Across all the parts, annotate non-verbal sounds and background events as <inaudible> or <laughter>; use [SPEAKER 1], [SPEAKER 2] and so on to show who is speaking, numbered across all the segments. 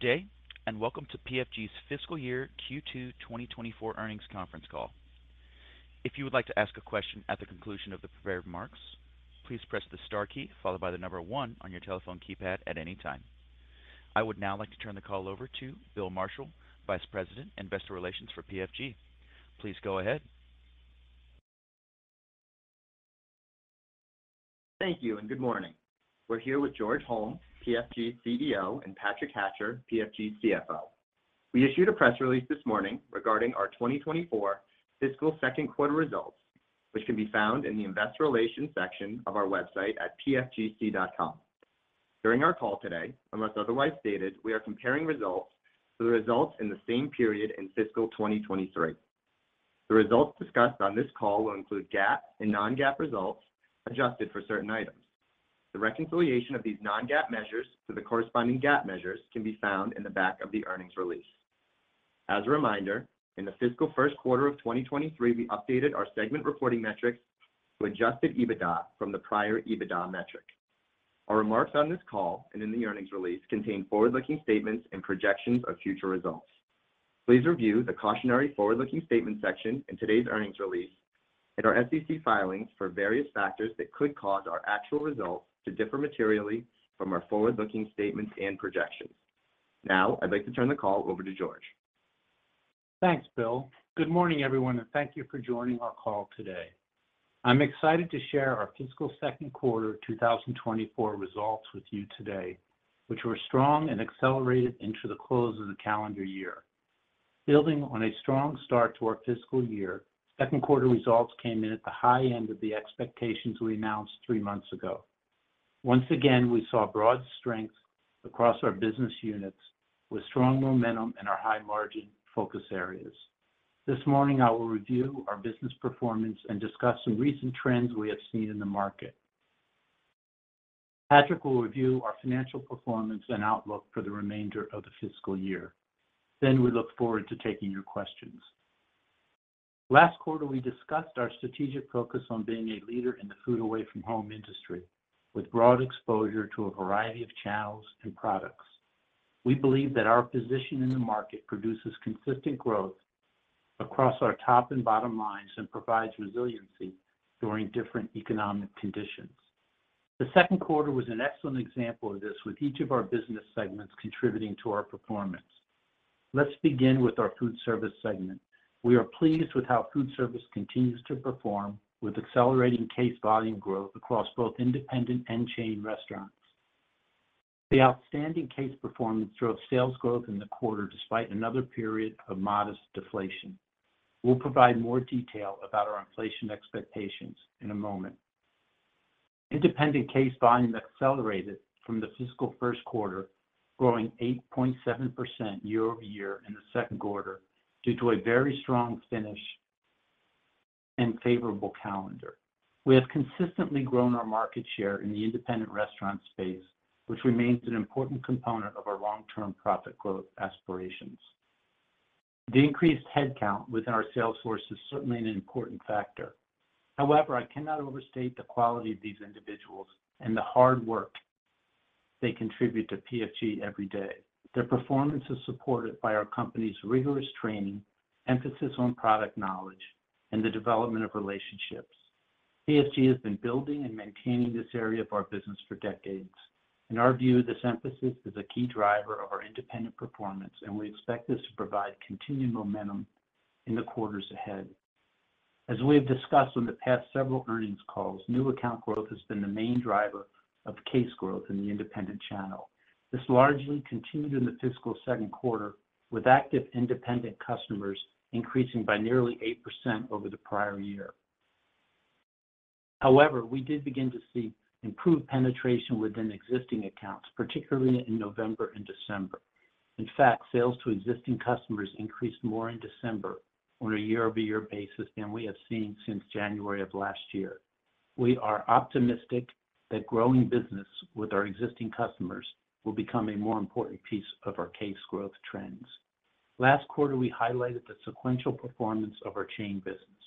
[SPEAKER 1] Good day, and welcome to PFG's Fiscal Year Q2 2024 Earnings Conference Call. If you would like to ask a question at the conclusion of the prepared remarks, please press the star key followed by the number one on your telephone keypad at any time. I would now like to turn the call over to Bill Marshall, Vice President and Investor Relations for PFG. Please go ahead.
[SPEAKER 2] Thank you, and good morning. We're here with George Holm, PFG's CEO, and Patrick Hatcher, PFG's CFO. We issued a press release this morning regarding our 2024 fiscal Q2 results, which can be found in the Investor Relations section of our website at pfgc.com. During our call today, unless otherwise stated, we are comparing results to the results in the same period in fiscal 2023. The results discussed on this call will include GAAP and non-GAAP results, adjusted for certain items. The reconciliation of these non-GAAP measures to the corresponding GAAP measures can be found in the back of the earnings release. As a reminder, in the fiscal Q1 of 2023, we updated our segment reporting metrics to Adjusted EBITDA from the prior EBITDA metric. Our remarks on this call and in the earnings release contain forward-looking statements and projections of future results. Please review the Cautionary Forward-Looking Statement section in today's earnings release and our SEC filings for various factors that could cause our actual results to differ materially from our forward-looking statements and projections. Now, I'd like to turn the call over to George.
[SPEAKER 3] Thanks, Bill. Good morning, everyone, and thank you for joining our call today. I'm excited to share our fiscal Q2 2024 results with you today, which were strong and accelerated into the close of the calendar year. Building on a strong start to our fiscal year, Q2 results came in at the high end of the expectations we announced 3 months ago. Once again, we saw broad strength across our business units, with strong momentum in our high margin focus areas. This morning, I will review our business performance and discuss some recent trends we have seen in the market. Patrick will review our financial performance and outlook for the remainder of the fiscal year. Then we look forward to taking your questions. Last quarter, we discussed our strategic focus on being a leader in the food away from home industry, with broad exposure to a variety of channels and products. We believe that our position in the market produces consistent growth across our top and bottom lines and provides resiliency during different economic conditions. The Q2 was an excellent example of this, with each of our business segments contributing to our performance. Let's begin with our food service segment. We are pleased with how food service continues to perform, with accelerating case volume growth across both independent and chain restaurants. The outstanding case performance drove sales growth in the quarter, despite another period of modest deflation. We'll provide more detail about our inflation expectations in a moment. Independent case volume accelerated from the fiscal Q1, growing 8.7% year-over-year in the Q2 due to a very strong finish and favorable calendar. We have consistently grown our market share in the independent restaurant space, which remains an important component of our long-term profit growth aspirations. The increased headcount within our sales force is certainly an important factor. However, I cannot overstate the quality of these individuals and the hard work they contribute to PFG every day. Their performance is supported by our company's rigorous training, emphasis on product knowledge, and the development of relationships. PFG has been building and maintaining this area of our business for decades. In our view, this emphasis is a key driver of our independent performance, and we expect this to provide continued momentum in the quarters ahead. As we have discussed on the past several earnings calls, new account growth has been the main driver of case growth in the independent channel. This largely continued in the fiscal Q2, with active independent customers increasing by nearly 8% over the prior year. However, we did begin to see improved penetration within existing accounts, particularly in November and December. In fact, sales to existing customers increased more in December on a year-over-year basis than we have seen since January of last year. We are optimistic that growing business with our existing customers will become a more important piece of our case growth trends. Last quarter, we highlighted the sequential performance of our chain business,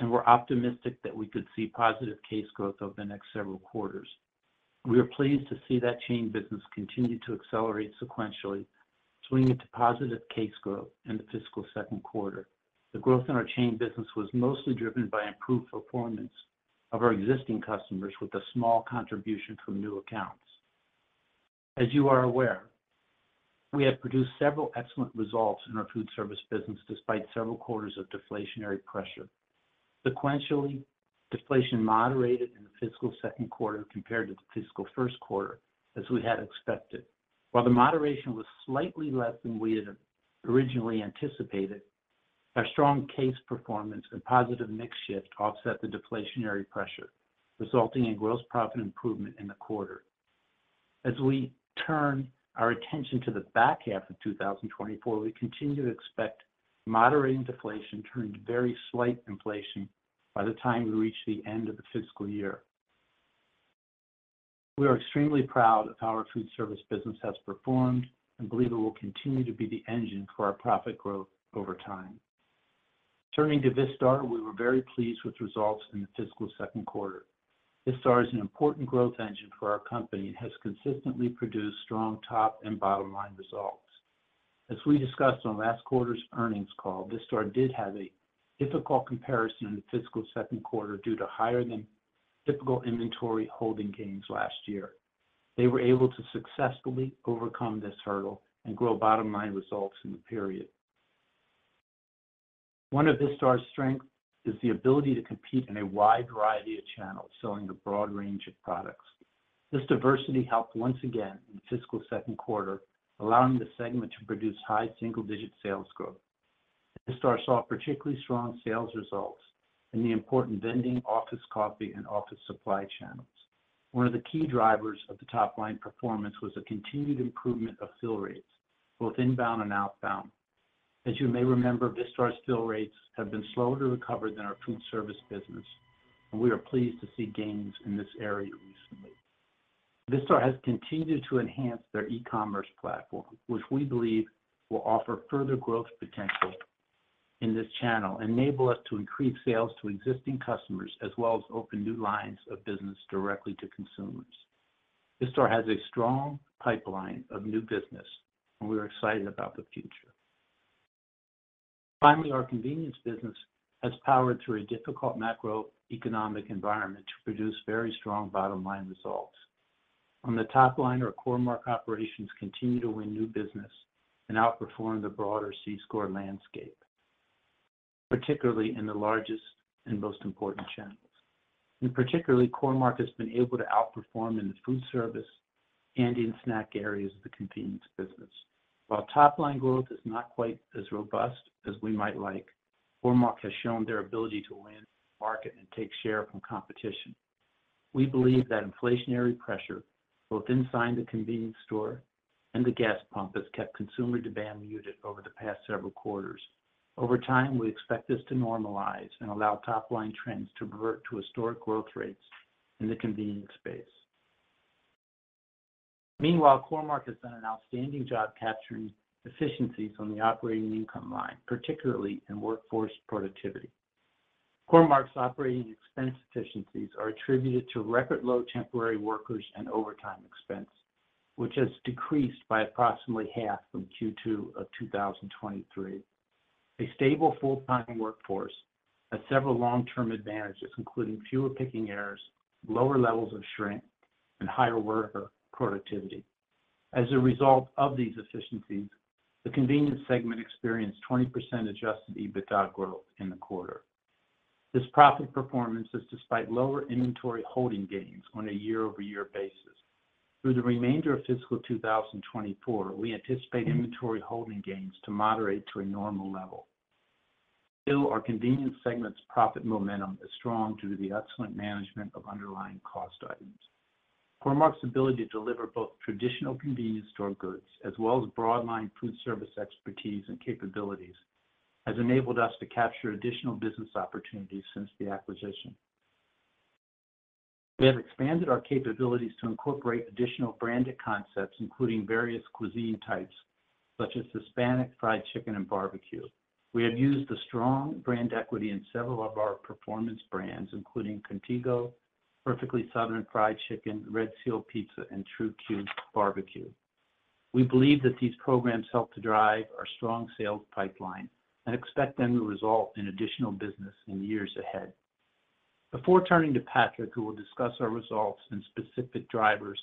[SPEAKER 3] and we're optimistic that we could see positive case growth over the next several quarters. We are pleased to see that chain business continue to accelerate sequentially, swinging to positive case growth in the fiscal Q2. The growth in our chain business was mostly driven by improved performance of our existing customers, with a small contribution from new accounts. As you are aware, we have produced several excellent results in our food service business, despite several quarters of deflationary pressure. Sequentially, deflation moderated in the fiscal Q2 compared to the fiscal Q1, as we had expected. While the moderation was slightly less than we had originally anticipated, our strong case performance and positive mix shift offset the deflationary pressure, resulting in gross profit improvement in the quarter. As we turn our attention to the back half of 2024, we continue to expect moderating deflation turn to very slight inflation by the time we reach the end of the fiscal year. We are extremely proud of how our food service business has performed and believe it will continue to be the engine for our profit growth over time. Turning to Vistar, we were very pleased with results in the fiscal Q2. Vistar is an important growth engine for our company and has consistently produced strong top and bottom-line results. As we discussed on last quarter's earnings call, Vistar did have a difficult comparison in the fiscal Q2 due to higher than typical inventory holding gains last year. They were able to successfully overcome this hurdle and grow bottom-line results in the period. One of Vistar's strength is the ability to compete in a wide variety of channels, selling a broad range of products. This diversity helped once again in the fiscal Q2, allowing the segment to produce high single-digit sales growth. Vistar saw particularly strong sales results in the important vending, office coffee, and office supply channels. One of the key drivers of the top-line performance was a continued improvement of fill rates, both inbound and outbound. As you may remember, Vistar's fill rates have been slower to recover than our food service business, and we are pleased to see gains in this area recently. Vistar has continued to enhance their e-commerce platform, which we believe will offer further growth potential in this channel, enable us to increase sales to existing customers, as well as open new lines of business directly to consumers. Vistar has a strong pipeline of new business, and we are excited about the future. Finally, our convenience business has powered through a difficult macroeconomic environment to produce very strong bottom-line results. On the top line, our Core-Mark operations continue to win new business and outperform the broader C-Store landscape, particularly in the largest and most important channels. In particular, Core-Mark has been able to outperform in the food service and in snack areas of the convenience business. While top-line growth is not quite as robust as we might like, Core-Mark has shown their ability to win market and take share from competition. We believe that inflationary pressure, both inside the convenience store and the gas pump, has kept consumer demand muted over the past several quarters. Over time, we expect this to normalize and allow top-line trends to revert to historic growth rates in the convenience space. Meanwhile, Core-Mark has done an outstanding job capturing efficiencies on the operating income line, particularly in workforce productivity. Core-Mark's operating expense efficiencies are attributed to record low temporary workers and overtime expense, which has decreased by approximately half from Q2 of 2023. A stable full-time workforce has several long-term advantages, including fewer picking errors, lower levels of shrink, and higher worker productivity. As a result of these efficiencies, the convenience segment experienced 20% Adjusted EBITDA growth in the quarter. This profit performance is despite lower inventory holding gains on a year-over-year basis. Through the remainder of fiscal 2024, we anticipate inventory holding gains to moderate to a normal level. Still, our convenience segment's profit momentum is strong due to the excellent management of underlying cost items. Core-Mark's ability to deliver both traditional convenience store goods as well as broadline foodservice expertise and capabilities, has enabled us to capture additional business opportunities since the acquisition. We have expanded our capabilities to incorporate additional branded concepts, including various cuisine types such as Hispanic, fried chicken, and barbecue. We have used the strong brand equity in several of our performance brands, including Contigo, Perfectly Southern Fried Chicken, Red Seal Pizza, and True Que Barbecue. We believe that these programs help to drive our strong sales pipeline and expect them to result in additional business in the years ahead. Before turning to Patrick, who will discuss our results and specific drivers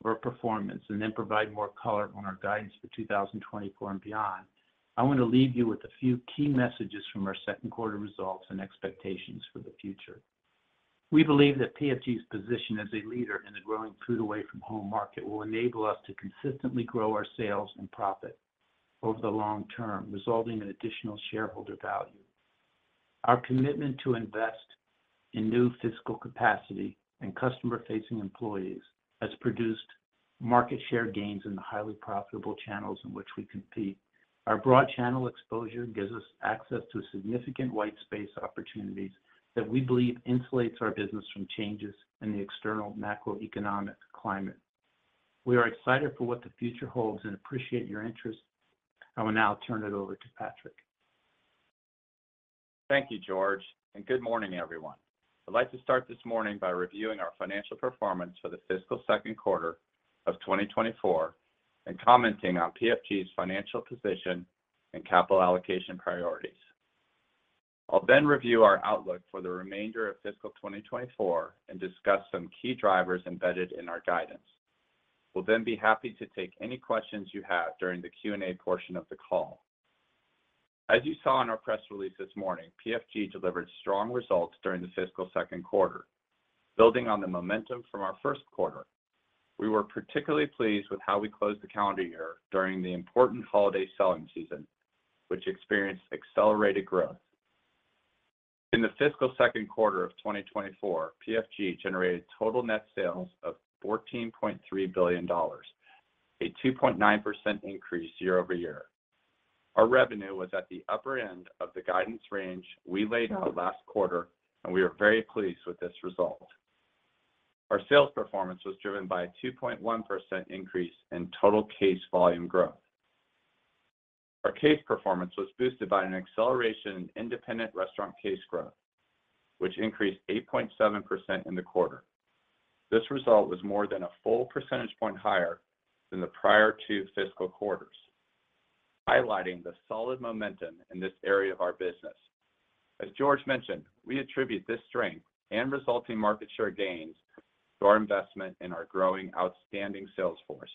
[SPEAKER 3] for performance and then provide more color on our guidance for 2024 and beyond, I want to leave you with a few key messages from our Q2 results and expectations for the future. We believe that PFG's position as a leader in the growing food away from home market will enable us to consistently grow our sales and profit over the long term, resulting in additional shareholder value. Our commitment to invest in new physical capacity and customer-facing employees has produced market share gains in the highly profitable channels in which we compete. Our broad channel exposure gives us access to significant white space opportunities that we believe insulates our business from changes in the external macroeconomic climate. We are excited for what the future holds and appreciate your interest. I will now turn it over to Patrick.
[SPEAKER 4] Thank you, George, and good morning, everyone. I'd like to start this morning by reviewing our financial performance for the fiscal Q2 of 2024 and commenting on PFG's financial position and capital allocation priorities. I'll then review our outlook for the remainder of fiscal 2024 and discuss some key drivers embedded in our guidance. We'll then be happy to take any questions you have during the Q&A portion of the call. As you saw in our press release this morning, PFG delivered strong results during the fiscal Q2, building on the momentum from our Q1. We were particularly pleased with how we closed the calendar year during the important holiday selling season, which experienced accelerated growth. In the fiscal Q2 of 2024, PFG generated total net sales of $14.3 billion, a 2.9% increase year-over-year. Our revenue was at the upper end of the guidance range we laid out last quarter, and we are very pleased with this result. Our sales performance was driven by a 2.1% increase in total case volume growth. Our case performance was boosted by an acceleration in independent restaurant case growth, which increased 8.7% in the quarter. This result was more than a full percentage point higher than the prior two fiscal quarters, highlighting the solid momentum in this area of our business. As George mentioned, we attribute this strength and resulting market share gains to our investment in our growing outstanding sales force.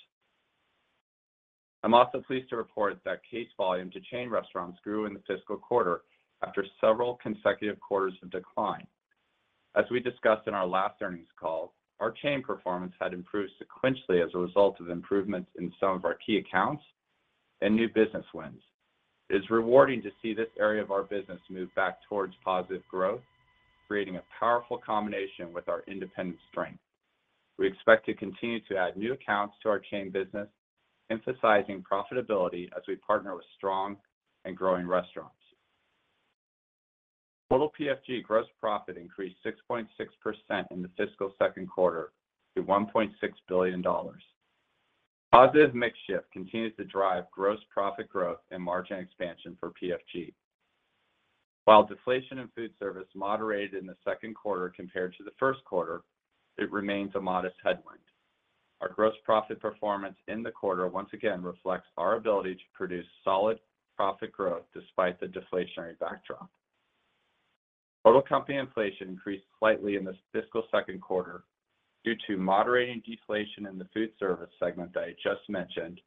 [SPEAKER 4] I'm also pleased to report that case volume to chain restaurants grew in the fiscal quarter after several consecutive quarters of decline. As we discussed in our last earnings call, our chain performance had improved sequentially as a result of improvements in some of our key accounts and new business wins. It's rewarding to see this area of our business move back towards positive growth, creating a powerful combination with our independent strength. We expect to continue to add new accounts to our chain business, emphasizing profitability as we partner with strong and growing restaurants. Total PFG gross profit increased 6.6% in the fiscal Q2 to $1.6 billion. Positive mix shift continues to drive gross profit growth and margin expansion for PFG. While deflation in food service moderated in the Q2 compared to the Q1, it remains a modest headwind. Our gross profit performance in the quarter once again reflects our ability to produce solid profit growth despite the deflationary backdrop. Total company inflation increased slightly in this fiscal Q2 due to moderating deflation in the food service segment that I just mentioned.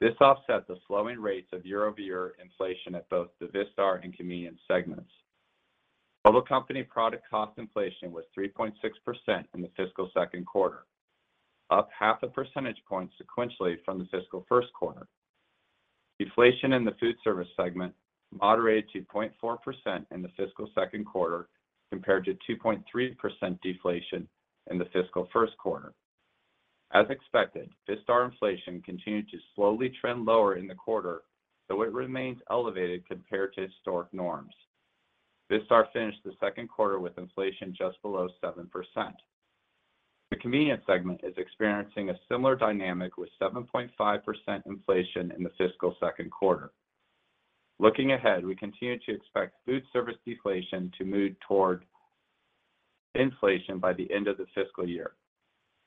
[SPEAKER 4] This offset the slowing rates of year-over-year inflation at both the Vistar and Convenience segments. Total company product cost inflation was 3.6% in the fiscal Q2, up 0.5 percentage points sequentially from the fiscal Q1. Deflation in the food service segment moderated to 0.4% in the fiscal Q2, compared to 2.3% deflation in the fiscal Q1. As expected, Vistar inflation continued to slowly trend lower in the quarter, though it remains elevated compared to historic norms. Vistar finished the Q2 with inflation just below 7%. The convenience segment is experiencing a similar dynamic, with 7.5% inflation in the fiscal Q2. Looking ahead, we continue to expect food service deflation to move toward inflation by the end of the fiscal year,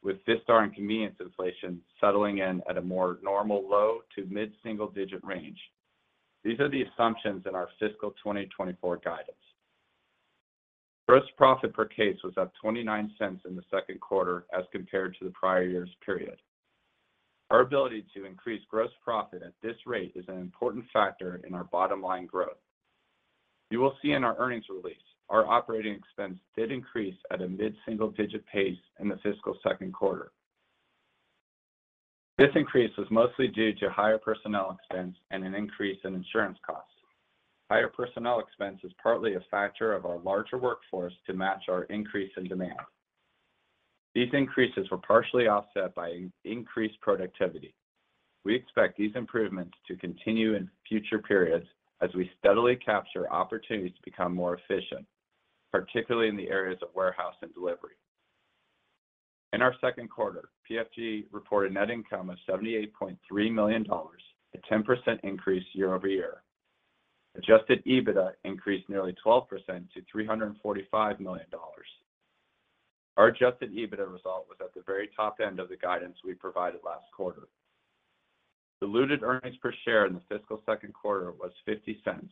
[SPEAKER 4] with Vistar and convenience inflation settling in at a more normal low- to mid-single-digit range. These are the assumptions in our fiscal 2024 guidance. Gross profit per case was up $0.29 in the Q2 as compared to the prior year's period. Our ability to increase gross profit at this rate is an important factor in our bottom line growth. You will see in our earnings release, our operating expense did increase at a mid-single-digit pace in the fiscal Q2. This increase was mostly due to higher personnel expense and an increase in insurance costs. Higher personnel expense is partly a factor of our larger workforce to match our increase in demand. These increases were partially offset by increased productivity. We expect these improvements to continue in future periods as we steadily capture opportunities to become more efficient, particularly in the areas of warehouse and delivery. In our Q2, PFG reported net income of $78.3 million, a 10% increase year-over-year. Adjusted EBITDA increased nearly 12% to $345 million. Our adjusted EBITDA result was at the very top end of the guidance we provided last quarter. Diluted earnings per share in the fiscal Q2 was $0.50,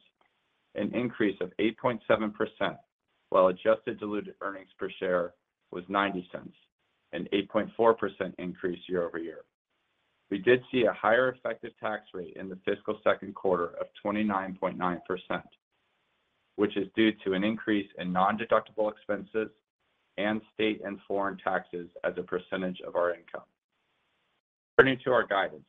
[SPEAKER 4] an increase of 8.7%, while adjusted diluted earnings per share was $0.90, an 8.4% increase year-over-year. We did see a higher effective tax rate in the fiscal Q2 of 29.9%, which is due to an increase in nondeductible expenses and state and foreign taxes as a percentage of our income. Turning to our guidance.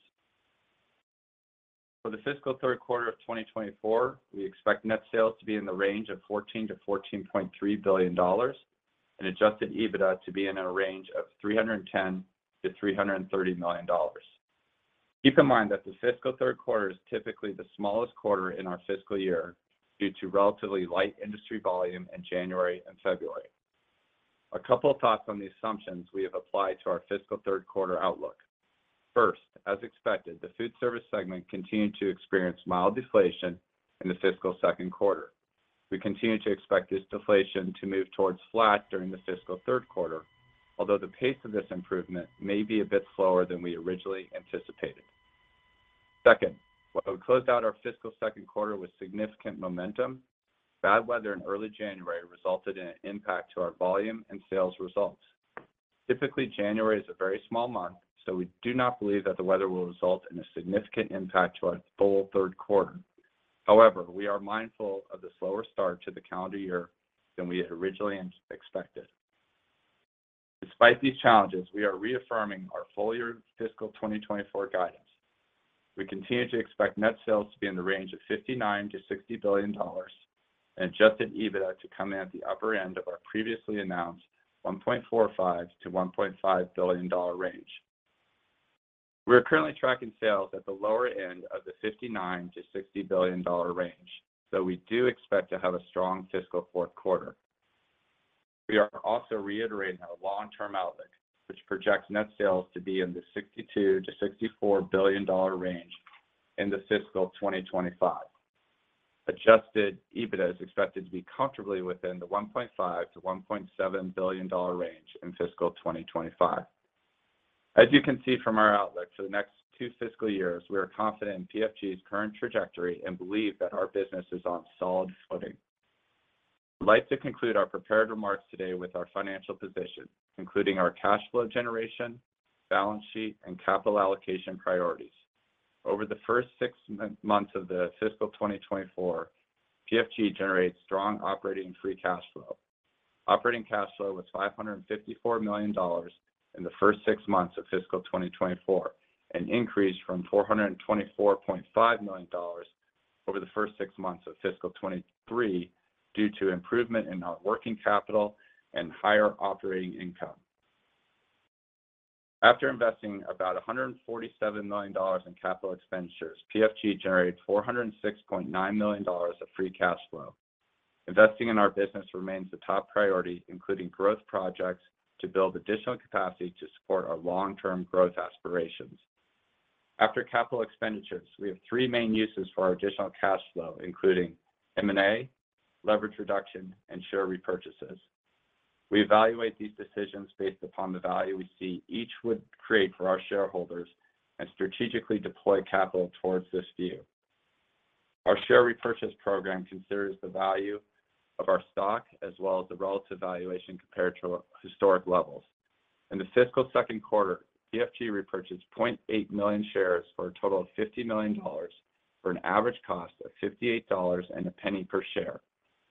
[SPEAKER 4] For the fiscal Q3 of 2024, we expect net sales to be in the range of $14 billion-$14.3 billion, and Adjusted EBITDA to be in a range of $310 million-$330 million. Keep in mind that the fiscal Q3 is typically the smallest quarter in our fiscal year due to relatively light industry volume in January and February. A couple of thoughts on the assumptions we have applied to our fiscal Q3 outlook. First, as expected, the Foodservice segment continued to experience mild deflation in the fiscal Q2. We continue to expect this deflation to move towards flat during the fiscal Q3, although the pace of this improvement may be a bit slower than we originally anticipated. Second, while we closed out our fiscal Q2 with significant momentum, bad weather in early January resulted in an impact to our volume and sales results. Typically, January is a very small month, so we do not believe that the weather will result in a significant impact to our full Q3. However, we are mindful of the slower start to the calendar year than we had originally expected. Despite these challenges, we are reaffirming our full year fiscal 2024 guidance. We continue to expect net sales to be in the range of $59 billion-$60 billion, and Adjusted EBITDA to come in at the upper end of our previously announced $1.45 billion-$1.5 billion range. We're currently tracking sales at the lower end of the $59 billion-$60 billion range, so we do expect to have a strong fiscal Q4. We are also reiterating our long-term outlook, which projects net sales to be in the $62 billion-$64 billion range in fiscal 2025. Adjusted EBITDA is expected to be comfortably within the $1.5 billion-$1.7 billion range in fiscal 2025. As you can see from our outlook for the next two fiscal years, we are confident in PFG's current trajectory and believe that our business is on solid footing. I'd like to conclude our prepared remarks today with our financial position, including our cash flow generation, balance sheet, and capital allocation priorities. Over the first six months of the fiscal 2024, PFG generated strong operating free cash flow. Operating cash flow was $554 million in the first six months of fiscal 2024, an increase from $424.5 million over the first six months of fiscal 2023, due to improvement in our working capital and higher operating income. After investing about $147 million in capital expenditures, PFG generated $406.9 million of free cash flow. Investing in our business remains the top priority, including growth projects, to build additional capacity to support our long-term growth aspirations. After capital expenditures, we have three main uses for our additional cash flow, including M&A, leverage reduction, and share repurchases. We evaluate these decisions based upon the value we see each would create for our shareholders and strategically deploy capital towards this view. Our share repurchase program considers the value of our stock as well as the relative valuation compared to historic levels. In the fiscal Q2, PFG repurchased 0.8 million shares for a total of $50 million, for an average cost of $58.01 per share.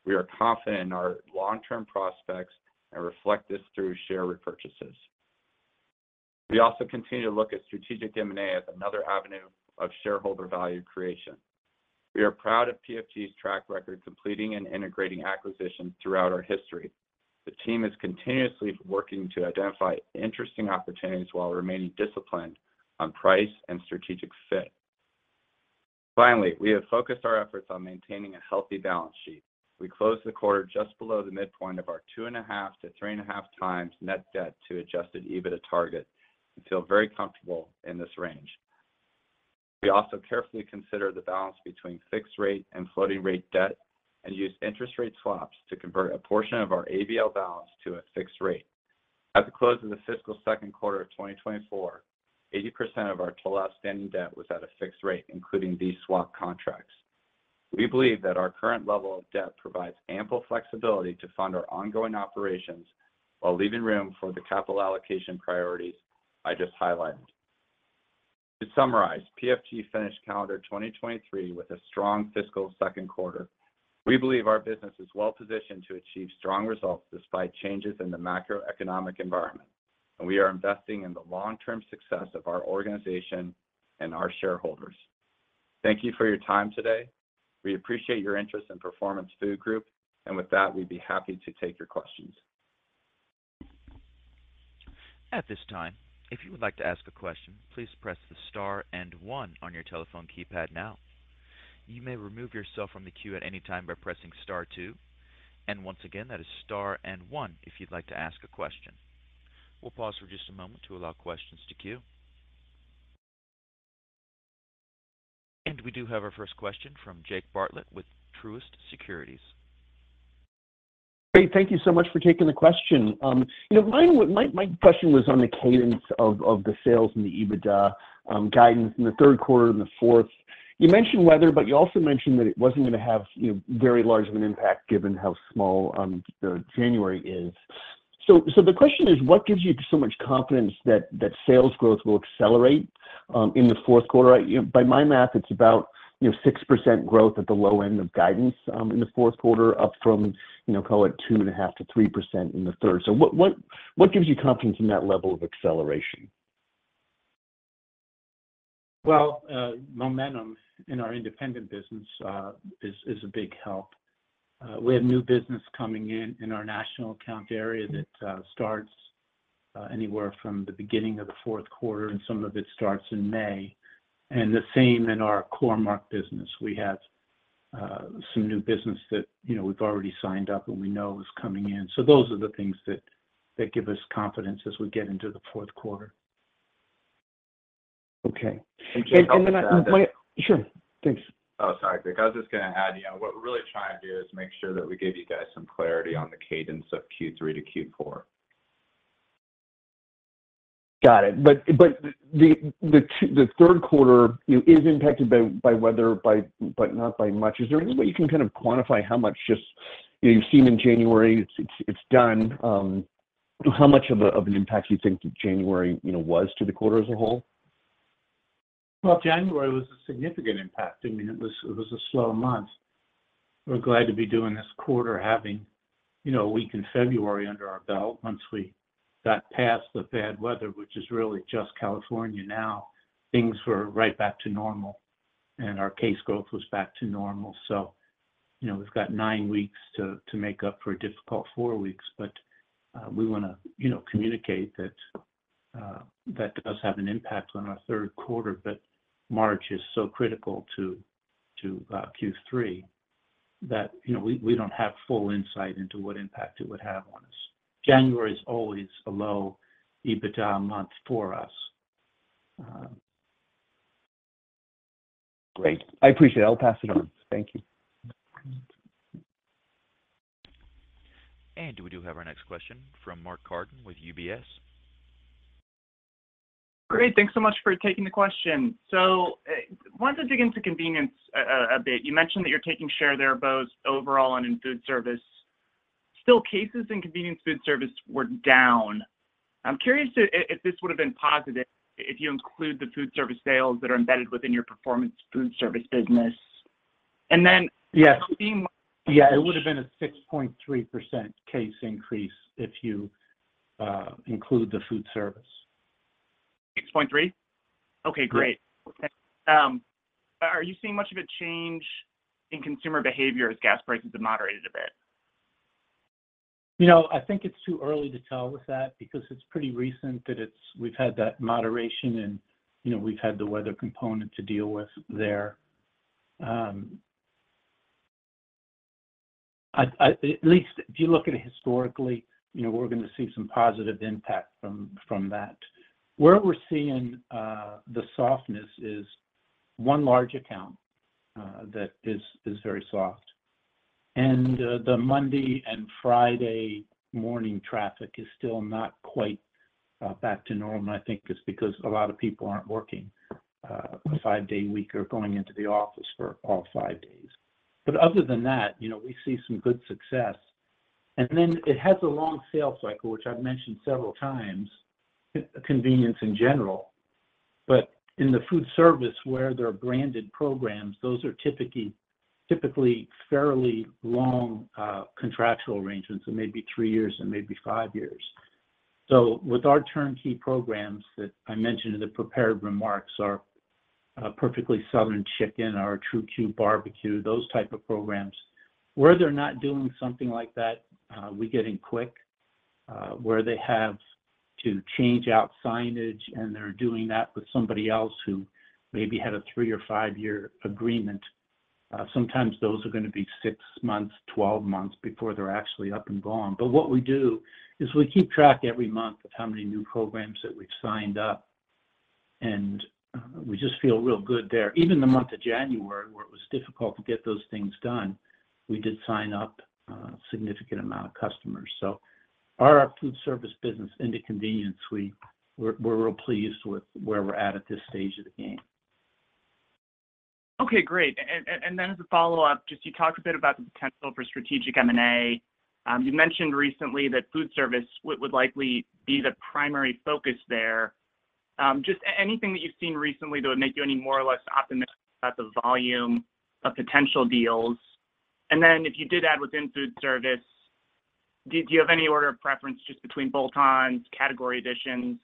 [SPEAKER 4] We are confident in our long-term prospects and reflect this through share repurchases. We also continue to look at strategic M&A as another avenue of shareholder value creation. We are proud of PFG's track record, completing and integrating acquisitions throughout our history. The team is continuously working to identify interesting opportunities while remaining disciplined on price and strategic fit. Finally, we have focused our efforts on maintaining a healthy balance sheet. We closed the quarter just below the midpoint of our 2.5-3.5 times net debt to adjusted EBITDA target and feel very comfortable in this range. We also carefully consider the balance between fixed rate and floating rate debt, and use interest rate swaps to convert a portion of our ABL balance to a fixed rate. At the close of the fiscal Q2 of 2024, 80% of our total outstanding debt was at a fixed rate, including these swap contracts. We believe that our current level of debt provides ample flexibility to fund our ongoing operations while leaving room for the capital allocation priorities I just highlighted. To summarize, PFG finished calendar 2023 with a strong fiscal Q2. We believe our business is well positioned to achieve strong results despite changes in the macroeconomic environment, and we are investing in the long-term success of our organization and our shareholders. Thank you for your time today. We appreciate your interest in Performance Food Group, and with that, we'd be happy to take your questions.
[SPEAKER 1] At this time, if you would like to ask a question, please press the star and one on your telephone keypad now. You may remove yourself from the queue at any time by pressing star two. And once again, that is star and one if you'd like to ask a question. We'll pause for just a moment to allow questions to queue. And we do have our first question from Jake Bartlett with Truist Securities.
[SPEAKER 5] Great. Thank you so much for taking the question. You know, my question was on the cadence of the sales and the EBITDA guidance in the Q3 and the fourth. You mentioned weather, but you also mentioned that it wasn't gonna have, you know, very large of an impact given how small the January is. So the question is: What gives you so much confidence that sales growth will accelerate in the Q4? You know, by my math, it's about, you know, 6% growth at the low end of guidance in the Q4, up from, you know, call it 2.5%-3% in the third. So what gives you confidence in that level of acceleration?
[SPEAKER 4] Well, momentum in our independent business is a big help. We have new business coming in in our national account area that starts anywhere from the beginning of the Q4, and some of it starts in May. And the same in our Core-Mark business. We have some new business that, you know, we've already signed up and we know is coming in. So those are the things that give us confidence as we get into the Q4.
[SPEAKER 5] Okay.
[SPEAKER 4] Can I just add that- <crosstalk>
[SPEAKER 5] Sure. Thanks.
[SPEAKER 4] Oh, sorry. I was just gonna add, you know, what we're really trying to do is make sure that we give you guys some clarity on the cadence of Q3 to Q4.
[SPEAKER 5] Got it. But the Q3, you know, is impacted by weather, but not by much. Is there any way you can kind of quantify how much just you've seen in January it's done, so how much of an impact do you think January, you know, was to the quarter as a whole?
[SPEAKER 4] Well, January was a significant impact. I mean, it was, it was a slow month. We're glad to be doing this quarter, having, you know, a week in February under our belt. Once we got past the bad weather, which is really just California now, things were right back to normal, and our case growth was back to normal. So, you know, we've got nine weeks to, to make up for a difficult four weeks, but, we wanna, you know, communicate that, that does have an impact on our Q3. But March is so critical to, to, Q3, that, you know, we, we don't have full insight into what impact it would have on us. January is always a low EBITDA month for us.
[SPEAKER 5] Great. I appreciate it. I'll pass it on. Thank you.
[SPEAKER 1] We do have our next question from Mark Carden with UBS.
[SPEAKER 6] Great, thanks so much for taking the question. So, wanted to dig into convenience a bit. You mentioned that you're taking share there, both overall and in food service. Still, cases in convenience food service were down. I'm curious if this would've been positive if you include the food service sales that are embedded within your Performance Foodservice business? And then.
[SPEAKER 3] Yes.
[SPEAKER 6] <crosstalk>
[SPEAKER 3] Yeah, it would've been a 6.3% case increase if you include the food service.
[SPEAKER 6] 6.3? Okay, great.
[SPEAKER 3] Yeah.
[SPEAKER 6] Are you seeing much of a change in consumer behavior as gas prices have moderated a bit?
[SPEAKER 3] You know, I think it's too early to tell with that, because it's pretty recent that it's—we've had that moderation, and, you know, we've had the weather component to deal with there. I at least if you look at it historically, you know, we're gonna see some positive impact from that. Where we're seeing the softness is one large account that is very soft. And the Monday and Friday morning traffic is still not quite back to normal, and I think it's because a lot of people aren't working a five-day week or going into the office for all five days. But other than that, you know, we see some good success. And then it has a long sales cycle, which I've mentioned several times, convenience in general. But in the food service, where there are branded programs, those are typically, typically fairly long contractual arrangements, so maybe 3 years and maybe 5 years. So with our turnkey programs that I mentioned in the prepared remarks, our Perfectly Southern Chicken, our True Que Barbecue, those type of programs, where they're not doing something like that, we get in quick. Where they have to change out signage, and they're doing that with somebody else who maybe had a 3- or 5-year agreement, sometimes those are gonna be 6 months, 12 months before they're actually up and going. But what we do is we keep track every month of how many new programs that we've signed up, and we just feel real good there. Even the month of January, where it was difficult to get those things done, we did sign up a significant amount of customers. So our food service business into convenience, we're real pleased with where we're at this stage of the game.
[SPEAKER 6] Okay, great. And then as a follow-up, just you talked a bit about the potential for strategic M&A. You mentioned recently that food service would likely be the primary focus there. Just anything that you've seen recently that would make you any more or less optimistic about the volume of potential deals? And then, if you did add within food service, do you have any order of preference just between bolt-ons, category additions,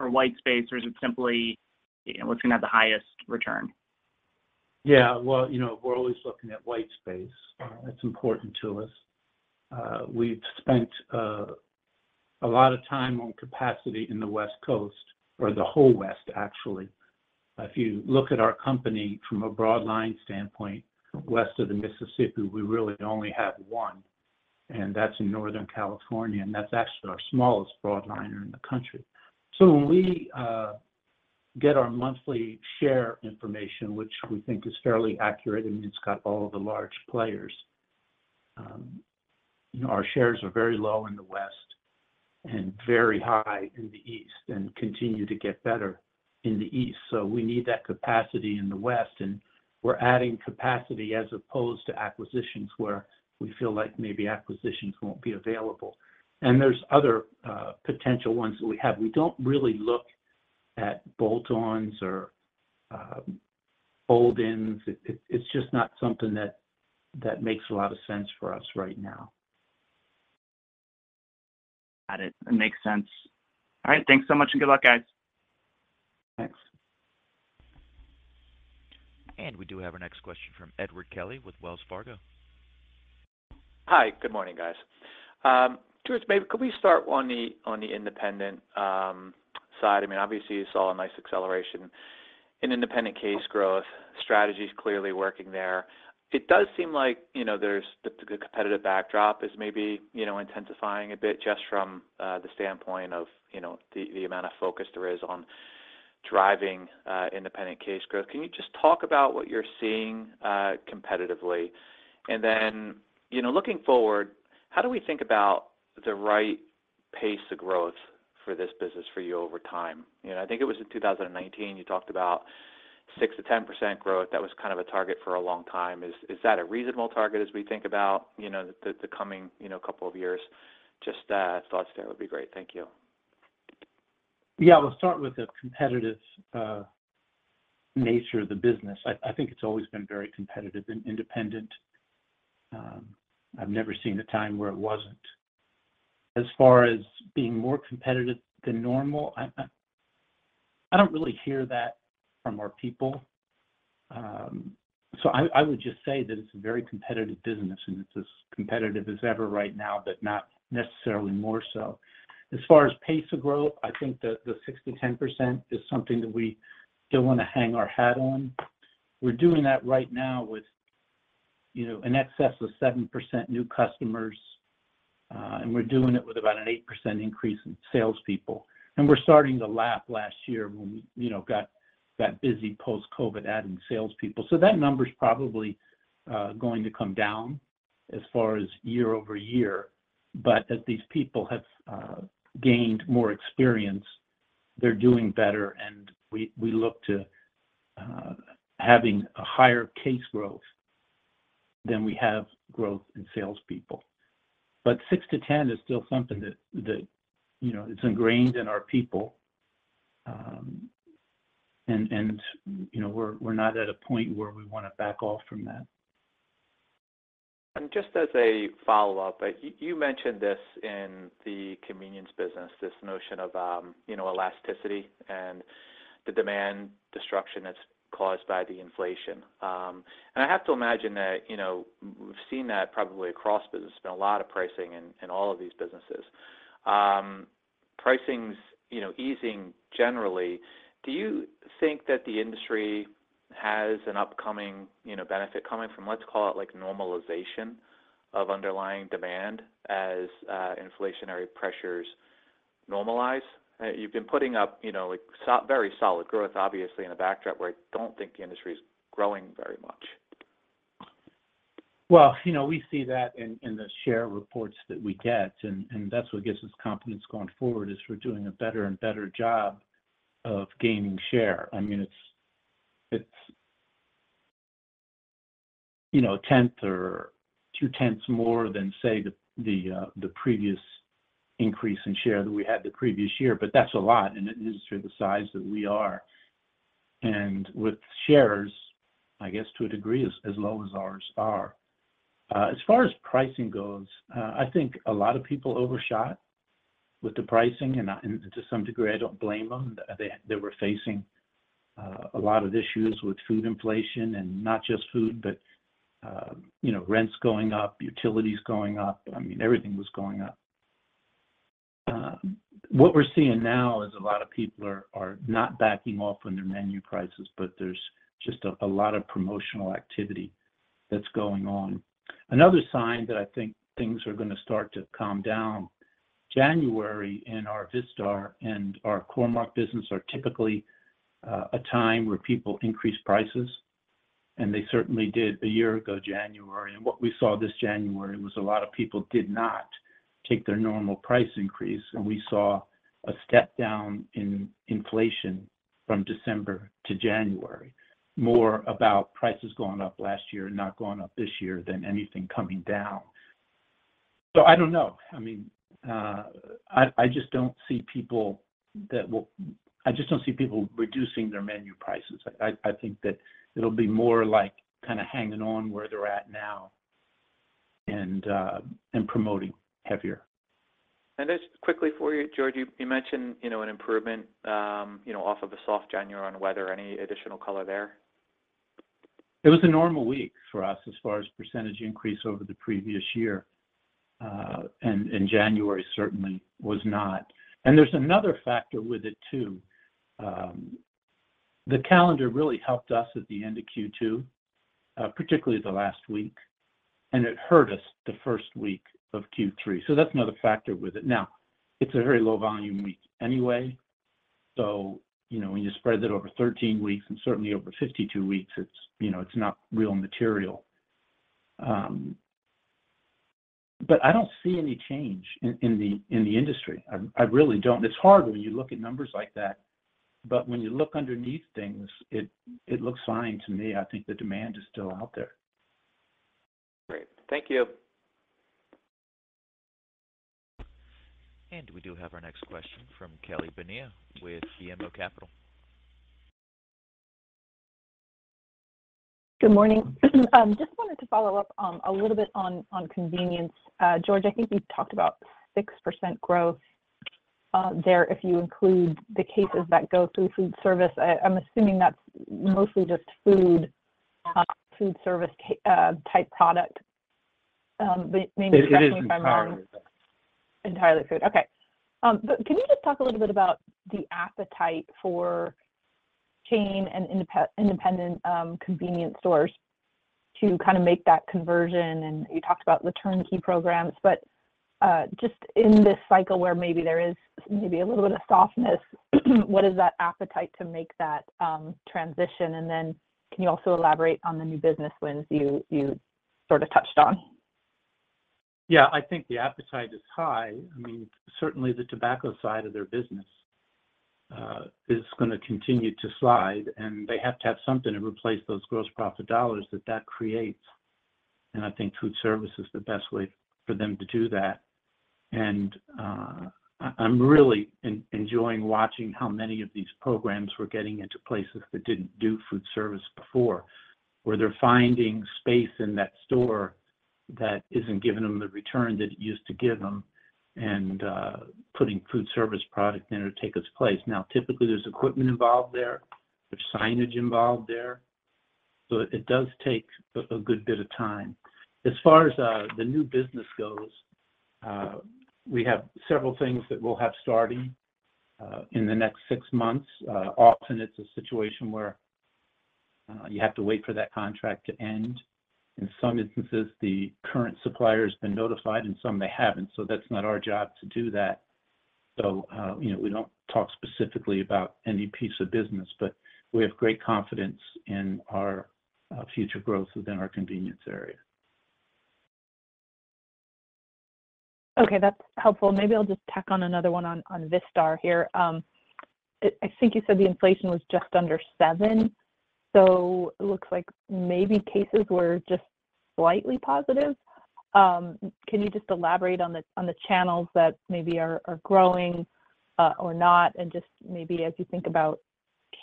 [SPEAKER 6] or white space, or is it simply, you know, looking at the highest return?
[SPEAKER 3] Yeah, well, you know, we're always looking at white space. That's important to us. We've spent a lot of time on capacity in the West Coast, or the whole West, actually. If you look at our company from a broad line standpoint, west of the Mississippi, we really only have one, and that's in Northern California, and that's actually our smallest broadliner in the country. So when we get our monthly share information, which we think is fairly accurate, and it's got all of the large players, our shares are very low in the West and very high in the East, and continue to get better in the East. So we need that capacity in the West, and we're adding capacity as opposed to acquisitions, where we feel like maybe acquisitions won't be available. And there's other potential ones that we have. We don't really look at bolt-ons or fold-ins. It's just not something that makes a lot of sense for us right now.
[SPEAKER 6] Got it. It makes sense. All right, thanks so much, and good luck, guys.
[SPEAKER 3] Thanks.
[SPEAKER 1] We do have our next question from Edward Kelly with Wells Fargo.
[SPEAKER 7] Hi, good morning, guys. To us, maybe could we start on the independent side? I mean, obviously, you saw a nice acceleration in independent case growth. Strategy is clearly working there. It does seem like, you know, there's the competitive backdrop is maybe, you know, intensifying a bit just from the standpoint of, you know, the amount of focus there is on driving independent case growth. Can you just talk about what you're seeing competitively? And then, you know, looking forward, how do we think about the right pace of growth for this business for you over time? You know, I think it was in 2019, you talked about 6%-10% growth. That was kind of a target for a long time. Is that a reasonable target as we think about, you know, the coming, you know, couple of years? Just, thoughts there would be great. Thank you.
[SPEAKER 3] Yeah. We'll start with the competitive nature of the business. I think it's always been very competitive and independent. I've never seen a time where it wasn't as far as being more competitive than normal. I don't really hear that from our people. So I would just say that it's a very competitive business, and it's as competitive as ever right now, but not necessarily more so. As far as pace of growth, I think the 6%-10% is something that we still wanna hang our hat on. We're doing that right now with, you know, in excess of 7% new customers, and we're doing it with about an 8% increase in salespeople. And we're starting to lap last year when we, you know, got that busy post-COVID adding salespeople. So that number's probably going to come down as far as year-over-year. But as these people have gained more experience, they're doing better, and we look to having a higher case growth than we have growth in salespeople. But 6-10 is still something that, you know, it's ingrained in our people. And you know, we're not at a point where we wanna back off from that. And just as.
[SPEAKER 7] A follow-up, you mentioned this in the convenience business, this notion of, you know, elasticity and the demand destruction that's caused by the inflation. And I have to imagine that, you know, we've seen that probably across business in a lot of pricing in all of these businesses. Pricing's, you know, easing generally. Do you think that the industry has an upcoming, you know, benefit coming from, let's call it, like, normalization of underlying demand as inflationary pressures normalize? You've been putting up, you know, like, very solid growth, obviously, in a backdrop where I don't think the industry is growing very much.
[SPEAKER 3] Well, you know, we see that in the share reports that we get, and that's what gives us confidence going forward, is we're doing a better and better job of gaining share. I mean, it's you know, a tenth or two tenths more than, say, the previous increase in share that we had the previous year, but that's a lot, and it is for the size that we are. And with shares, I guess, to a degree, as low as ours are. As far as pricing goes, I think a lot of people overshot with the pricing, and to some degree, I don't blame them. They were facing a lot of issues with food inflation, and not just food, but you know, rents going up, utilities going up. I mean, everything was going up. What we're seeing now is a lot of people are not backing off on their menu prices, but there's just a lot of promotional activity that's going on. Another sign that I think things are gonna start to calm down, January in our Vistar and our Core-Mark business are typically a time where people increase prices, and they certainly did a year ago, January. And what we saw this January was a lot of people did not take their normal price increase, and we saw a step down in inflation from December to January. More about prices going up last year and not going up this year than anything coming down. So I don't know. I mean, I just don't see people that will. I just don't see people reducing their menu prices. I think that it'll be more like kinda hanging on where they're at now and promoting heavier.
[SPEAKER 7] Just quickly for you, George, you mentioned, you know, an improvement, you know, off of a soft January on weather. Any additional color there?
[SPEAKER 3] It was a normal week for us as far as percentage increase over the previous year. January certainly was not. There's another factor with it, too. The calendar really helped us at the end of Q2, particularly the last week, and it hurt us the first week of Q3. That's another factor with it. Now, it's a very low volume week anyway, so, you know, when you spread that over 13 weeks and certainly over 52 weeks, it's, you know, it's not real material. But I don't see any change in the industry. I really don't. It's hard when you look at numbers like that, but when you look underneath things, it looks fine to me. I think the demand is still out there.
[SPEAKER 7] Great. Thank you.
[SPEAKER 1] We do have our next question from Kelly Bania with BMO Capital.
[SPEAKER 8] Good morning. Just wanted to follow up a little bit on convenience. George, I think you talked about 6% growth there, if you include the cases that go through food service. I'm assuming that's mostly just food service type product. But maybe-
[SPEAKER 3] It is entirely
[SPEAKER 8] Entirely food. Okay. But can you just talk a little bit about the appetite for chain and independent convenience stores to kind of make that conversion? And you talked about the turnkey programs, but just in this cycle where maybe there is maybe a little bit of softness, what is that appetite to make that transition? And then, can you also elaborate on the new business wins you sort of touched on?
[SPEAKER 3] Yeah, I think the appetite is high. I mean, certainly the tobacco side of their business is gonna continue to slide, and they have to have something to replace those gross profit dollars that that creates. And I think food service is the best way for them to do that. I'm really enjoying watching how many of these programs we're getting into places that didn't do food service before, where they're finding space in that store that isn't giving them the return that it used to give them, and putting food service product in to take its place. Now, typically, there's equipment involved there. There's signage involved there, so it does take a good bit of time. As far as the new business goes, we have several things that we'll have starting in the next six months. Often it's a situation where you have to wait for that contract to end. In some instances, the current supplier's been notified, and some they haven't, so that's not our job to do that. So, you know, we don't talk specifically about any piece of business, but we have great confidence in our future growth within our convenience area.
[SPEAKER 8] Okay, that's helpful. Maybe I'll just tack on another one on Vistar here. I think you said the inflation was just under 7, so it looks like maybe cases were just slightly positive. Can you just elaborate on the channels that maybe are growing or not, and just maybe as you think about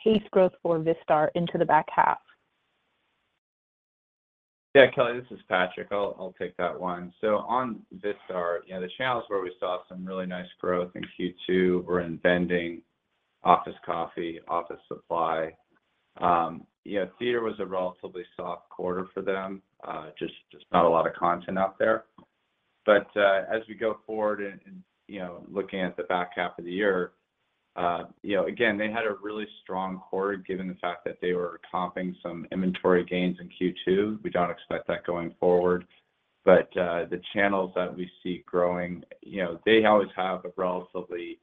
[SPEAKER 8] case growth for Vistar into the back half?
[SPEAKER 4] Yeah, Kelly, this is Patrick. I'll take that one. So on Vistar, you know, the channels where we saw some really nice growth in Q2 were in vending, office coffee, office supply. You know, theater was a relatively soft quarter for them, just not a lot of content out there. But as we go forward and, you know, looking at the back half of the year, you know, again, they had a really strong quarter, given the fact that they were comping some inventory gains in Q2. We don't expect that going forward. But the channels that we see growing, you know, they always have a relatively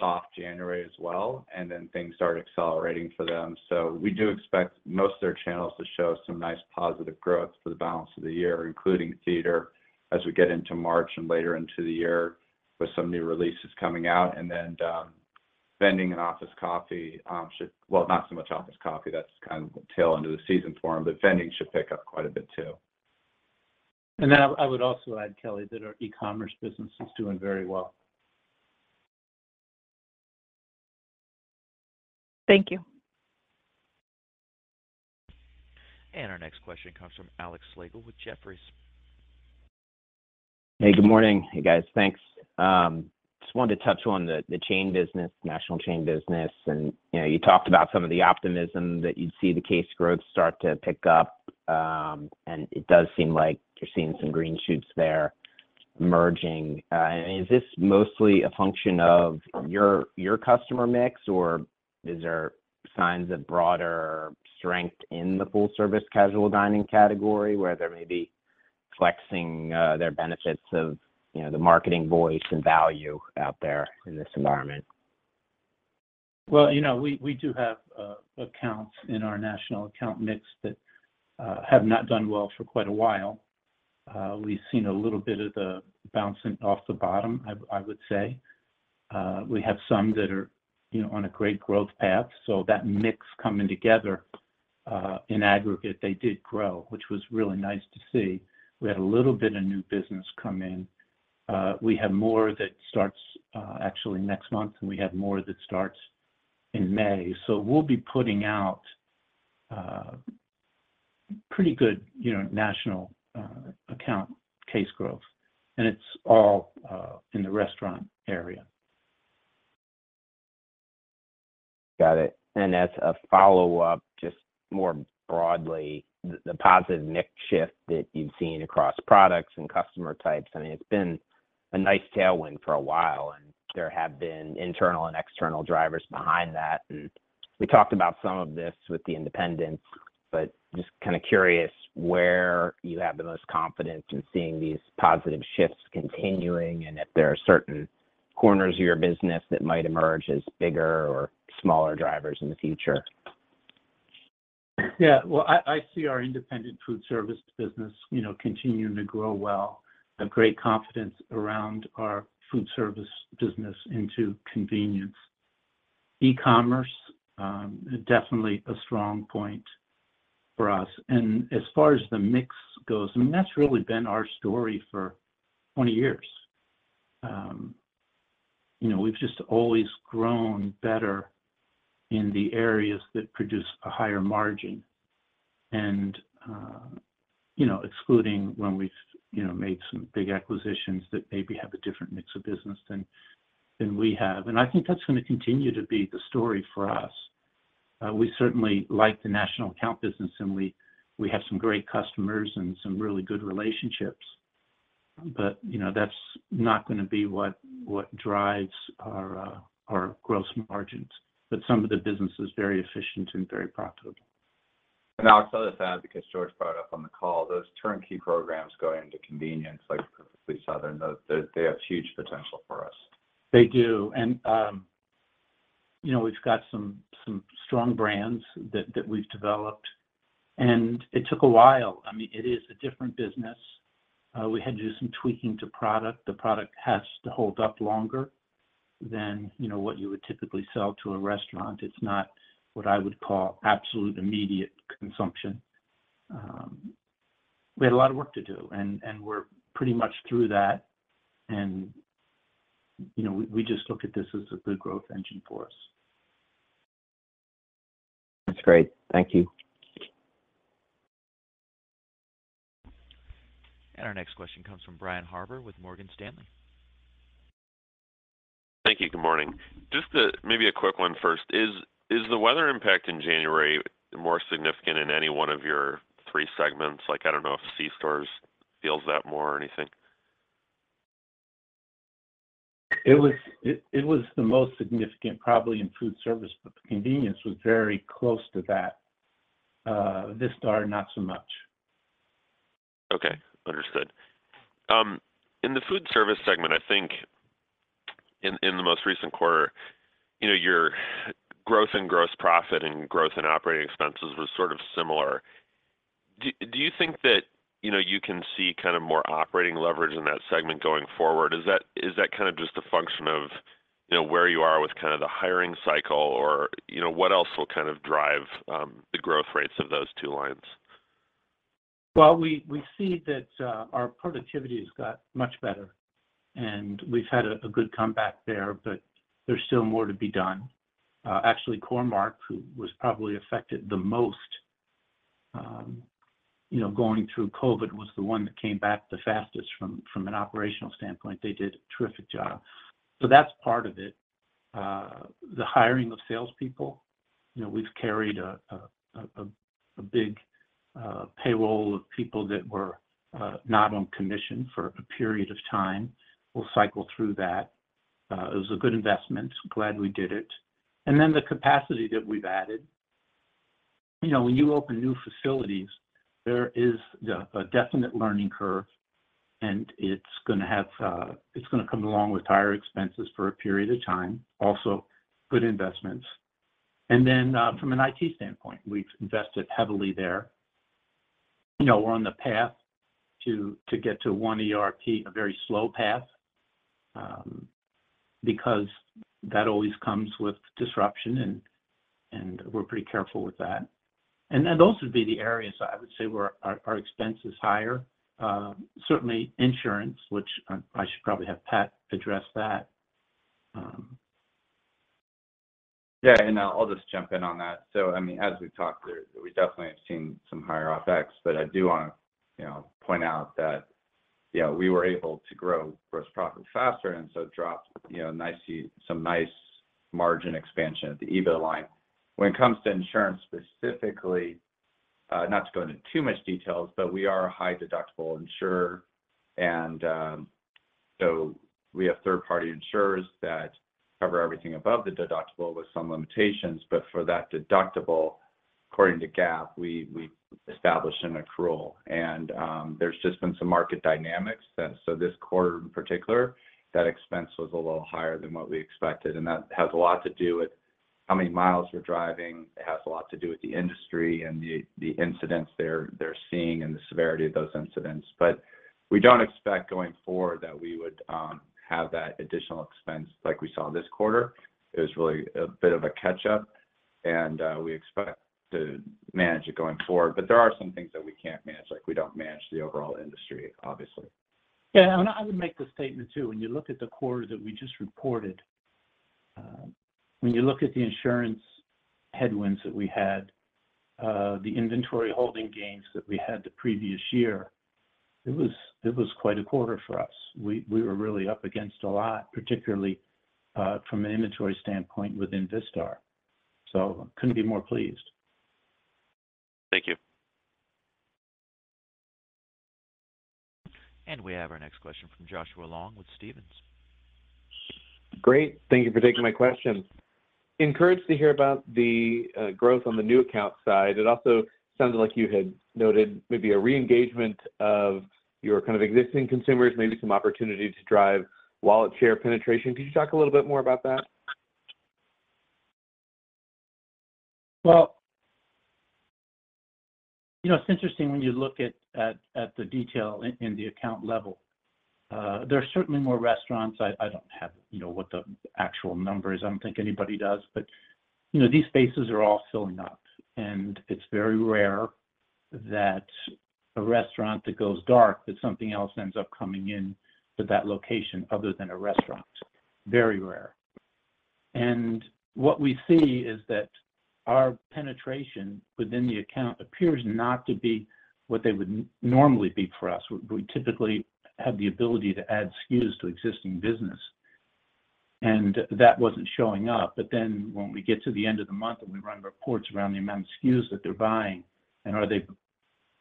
[SPEAKER 4] soft January as well, and then things start accelerating for them. So we do expect most of their channels to show some nice positive growth for the balance of the year, including theater, as we get into March and later into the year, with some new releases coming out. And then, vending and office coffee should. Well, not so much office coffee, that's kind of the tail end of the season for them, but vending should pick up quite a bit too.
[SPEAKER 3] I would also add, Kelly, that our e-commerce business is doing very well.
[SPEAKER 8] Thank you.
[SPEAKER 1] Our next question comes from Alex Slagle with Jefferies.
[SPEAKER 9] Hey, good morning. Hey, guys. Thanks. Just wanted to touch on the chain business, national chain business. And, you know, you talked about some of the optimism that you'd see the case growth start to pick up, and it does seem like you're seeing some green shoots there emerging. And is this mostly a function of your customer mix, or is there signs of broader strength in the full service casual dining category, where there may be flexing their benefits of, you know, the marketing voice and value out there in this environment?
[SPEAKER 3] Well, you know, we do have accounts in our national account mix that have not done well for quite a while. We've seen a little bit of the bouncing off the bottom, I would say. We have some that are, you know, on a great growth path, so that mix coming together, in aggregate, they did grow, which was really nice to see. We had a little bit of new business come in. We have more that starts, actually next month, and we have more that starts in May. So we'll be putting out pretty good, you know, national account case growth, and it's all in the restaurant area.
[SPEAKER 9] Got it. As a follow-up, just more broadly, the positive mix shift that you've seen across products and customer types, I mean, it's been a nice tailwind for a while, and there have been internal and external drivers behind that. We talked about some of this with the independents, but just kind of curious where you have the most confidence in seeing these positive shifts continuing, and if there are certain corners of your business that might emerge as bigger or smaller drivers in the future.
[SPEAKER 3] Yeah. Well, I see our independent food service business, you know, continuing to grow well. Have great confidence around our food service business into convenience. E-commerce definitely a strong point for us. And as far as the mix goes, I mean, that's really been our story for 20 years. You know, we've just always grown better in the areas that produce a higher margin. And, you know, excluding when we've, you know, made some big acquisitions that maybe have a different mix of business than we have. And I think that's gonna continue to be the story for us. We certainly like the national account business, and we have some great customers and some really good relationships, but, you know, that's not gonna be what drives our growth margins. But some of the business is very efficient and very profitable.
[SPEAKER 4] Alex, the other side, because George brought up on the call, those turnkey programs going into convenience, like Perfectly Southern, they, they have huge potential for us.
[SPEAKER 3] They do. You know, we've got some strong brands that we've developed, and it took a while. I mean, it is a different business. We had to do some tweaking to product. The product has to hold up longer than, you know, what you would typically sell to a restaurant. It's not what I would call absolute immediate consumption. We had a lot of work to do, and we're pretty much through that. You know, we just look at this as a good growth engine for us.
[SPEAKER 9] That's great. Thank you.
[SPEAKER 1] And our next question comes from Brian Harbour with Morgan Stanley.
[SPEAKER 10] Thank you. Good morning. Just maybe a quick one first. Is the weather impact in January more significant in any one of your three segments? Like, I don't know if C-stores feels that more or anything.
[SPEAKER 3] It was the most significant, probably in food service, but the convenience was very close to that. Vistar, not so much.
[SPEAKER 10] Okay, understood. In the food service segment, I think in the most recent quarter, you know, your growth in gross profit and growth in operating expenses were sort of similar. Do you think that, you know, you can see kind of more operating leverage in that segment going forward? Is that kind of just a function of, you know, where you are with kind of the hiring cycle, or, you know, what else will kind of drive the growth rates of those two lines?
[SPEAKER 3] Well, we see that our productivity has got much better, and we've had a good comeback there, but there's still more to be done. Actually, Core-Mark, who was probably affected the most, you know, going through COVID, was the one that came back the fastest from an operational standpoint. They did a terrific job. So that's part of it. The hiring of salespeople, you know, we've carried a big payroll of people that were not on commission for a period of time. We'll cycle through that. It was a good investment. Glad we did it. And then the capacity that we've added. You know, when you open new facilities, there is a definite learning curve, and it's gonna have. It's gonna come along with higher expenses for a period of time. Also, good investments. And then, from an IT standpoint, we've invested heavily there. You know, we're on the path to get to one ERP, a very slow path, because that always comes with disruption, and we're pretty careful with that. And those would be the areas I would say, where our expense is higher. Certainly insurance, which I should probably have Pat address that.
[SPEAKER 4] Yeah, and I'll just jump in on that. So I mean, as we've talked through, we definitely have seen some higher OpEx, but I do want to, you know, point out that, you know, we were able to grow gross profit faster, and so dropped, you know, nicely, some nice margin expansion at the EBITDA line. When it comes to insurance, specifically, not to go into too much details, but we are a high deductible insurer, and, so we have third-party insurers that cover everything above the deductible with some limitations. But for that deductible, according to GAAP, we, we established an accrual, and, there's just been some market dynamics that so this quarter in particular, that expense was a little higher than what we expected, and that has a lot to do with how many miles we're driving. It has a lot to do with the industry and the incidents they're seeing and the severity of those incidents. But we don't expect going forward that we would have that additional expense like we saw this quarter. It was really a bit of a catch up, and we expect to manage it going forward. But there are some things that we can't manage, like we don't manage the overall industry, obviously.
[SPEAKER 3] Yeah, and I would make the statement, too, when you look at the quarter that we just reported, when you look at the insurance headwinds that we had, the inventory holding gains that we had the previous year, it was, it was quite a quarter for us. We, we were really up against a lot, particularly, from an inventory standpoint within Vistar, so couldn't be more pleased.
[SPEAKER 10] Thank you.
[SPEAKER 1] We have our next question from Joshua Long with Stephens.
[SPEAKER 11] Great, thank you for taking my question. Encouraged to hear about the growth on the new account side. It also sounded like you had noted maybe a reengagement of your kind of existing consumers, maybe some opportunity to drive wallet share penetration. Could you talk a little bit more about that?
[SPEAKER 3] Well, you know, it's interesting when you look at the detail in the account level. There are certainly more restaurants. I don't have, you know, what the actual number is, I don't think anybody does. But, you know, these spaces are all filling up, and it's very rare that a restaurant that goes dark, that something else ends up coming in to that location other than a restaurant. Very rare. And what we see is that our penetration within the account appears not to be what they would normally be for us. We typically have the ability to add SKUs to existing business, and that wasn't showing up. But then when we get to the end of the month and we run reports around the amount of SKUs that they're buying, and are they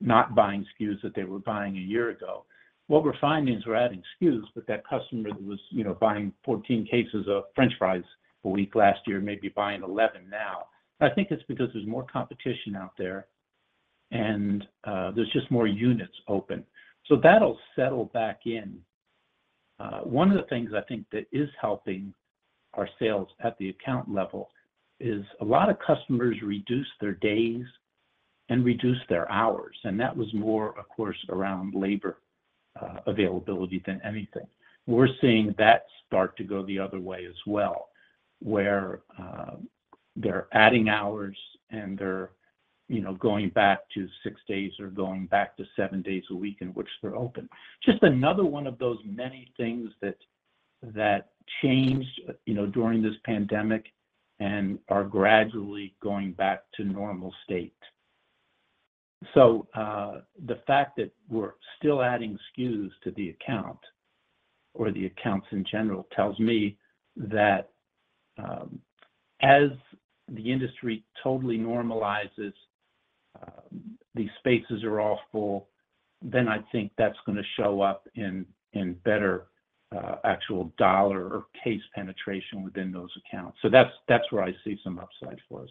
[SPEAKER 3] not buying SKUs that they were buying a year ago, what we're finding is we're adding SKUs, but that customer that was, you know, buying 14 cases of French fries a week last year, may be buying 11 now. I think it's because there's more competition out there, and there's just more units open. So that'll settle back in. One of the things I think that is helping our sales at the account level is a lot of customers reduce their days and reduce their hours, and that was more, of course, around labor availability than anything. We're seeing that start to go the other way as well, where they're adding hours and they're, you know, going back to six days or going back to seven days a week in which they're open. Just another one of those many things that changed, you know, during this pandemic and are gradually going back to normal state. So the fact that we're still adding SKUs to the account, or the accounts in general, tells me that as the industry totally normalizes, these spaces are all full, then I think that's gonna show up in better actual dollar or case penetration within those accounts. So that's where I see some upside for us.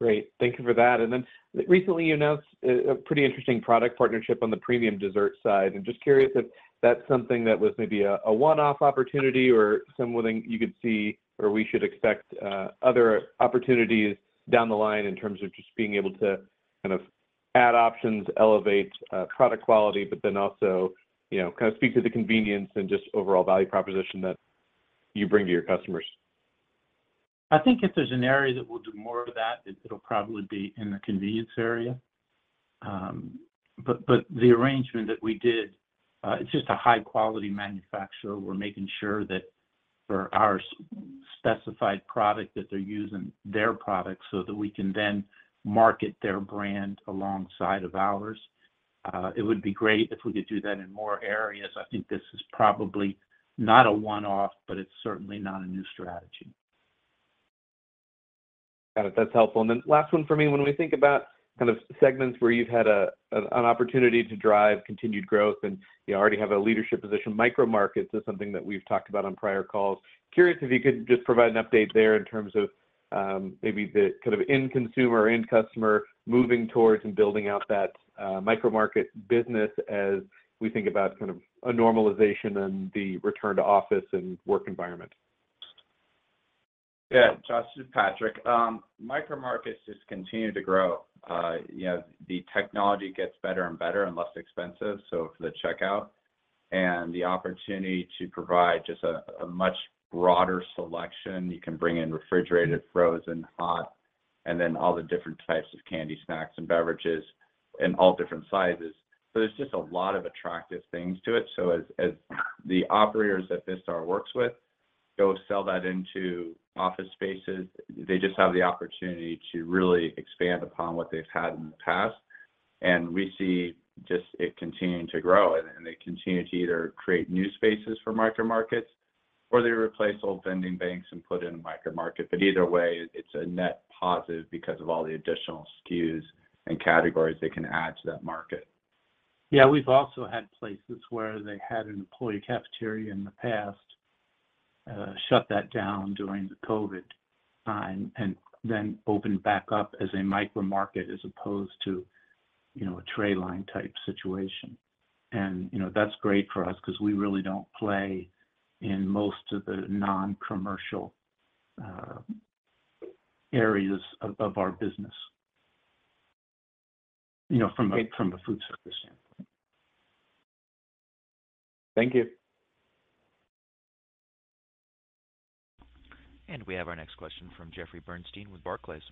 [SPEAKER 11] Great. Thank you for that. And then recently, you announced a pretty interesting product partnership on the premium dessert side. I'm just curious if that's something that was maybe a one-off opportunity or something you could see, or we should expect other opportunities down the line in terms of just being able to kind of add options, elevate product quality, but then also, you know, kind of speak to the convenience and just overall value proposition that you bring to your customers.
[SPEAKER 3] I think if there's an area that we'll do more of that, it'll probably be in the convenience area. But the arrangement that we did, it's just a high-quality manufacturer. We're making sure that for our specified product, that they're using their products so that we can then market their brand alongside of ours. It would be great if we could do that in more areas. I think this is probably not a one-off, but it's certainly not a new strategy.
[SPEAKER 11] Got it. That's helpful. Then last one for me. When we think about kind of segments where you've had an opportunity to drive continued growth and you already have a leadership position, Micro Markets is something that we've talked about on prior calls. Curious if you could just provide an update there in terms of, maybe the kind of end consumer, end customer, moving towards and building out that, Micro Market business as we think about kind of a normalization and the return to office and work environment.
[SPEAKER 4] Yeah, Josh, this is Patrick. Micro Markets just continue to grow. You know, the technology gets better and better and less expensive, so for the checkout. And the opportunity to provide just a much broader selection. You can bring in refrigerated, frozen, hot, and then all the different types of candy, snacks, and beverages in all different sizes. So there's just a lot of attractive things to it. So as the operators that Vistar works with go sell that into office spaces, they just have the opportunity to really expand upon what they've had in the past. And we see just it continuing to grow, and they continue to either create new spaces for Micro Markets, or they replace old vending banks and put in a Micro Market. Either way, it's a net positive because of all the additional SKUs and categories they can add to that market.
[SPEAKER 3] Yeah, we've also had places where they had an employee cafeteria in the past, shut that down during the COVID time, and then opened back up as a Micro Market as opposed to, you know, a tray line type situation. And, you know, that's great for us 'cause we really don't play in most of the non-commercial areas of our business, you know, from a food service standpoint.
[SPEAKER 11] Thank you.
[SPEAKER 1] We have our next question from Jeffrey Bernstein with Barclays.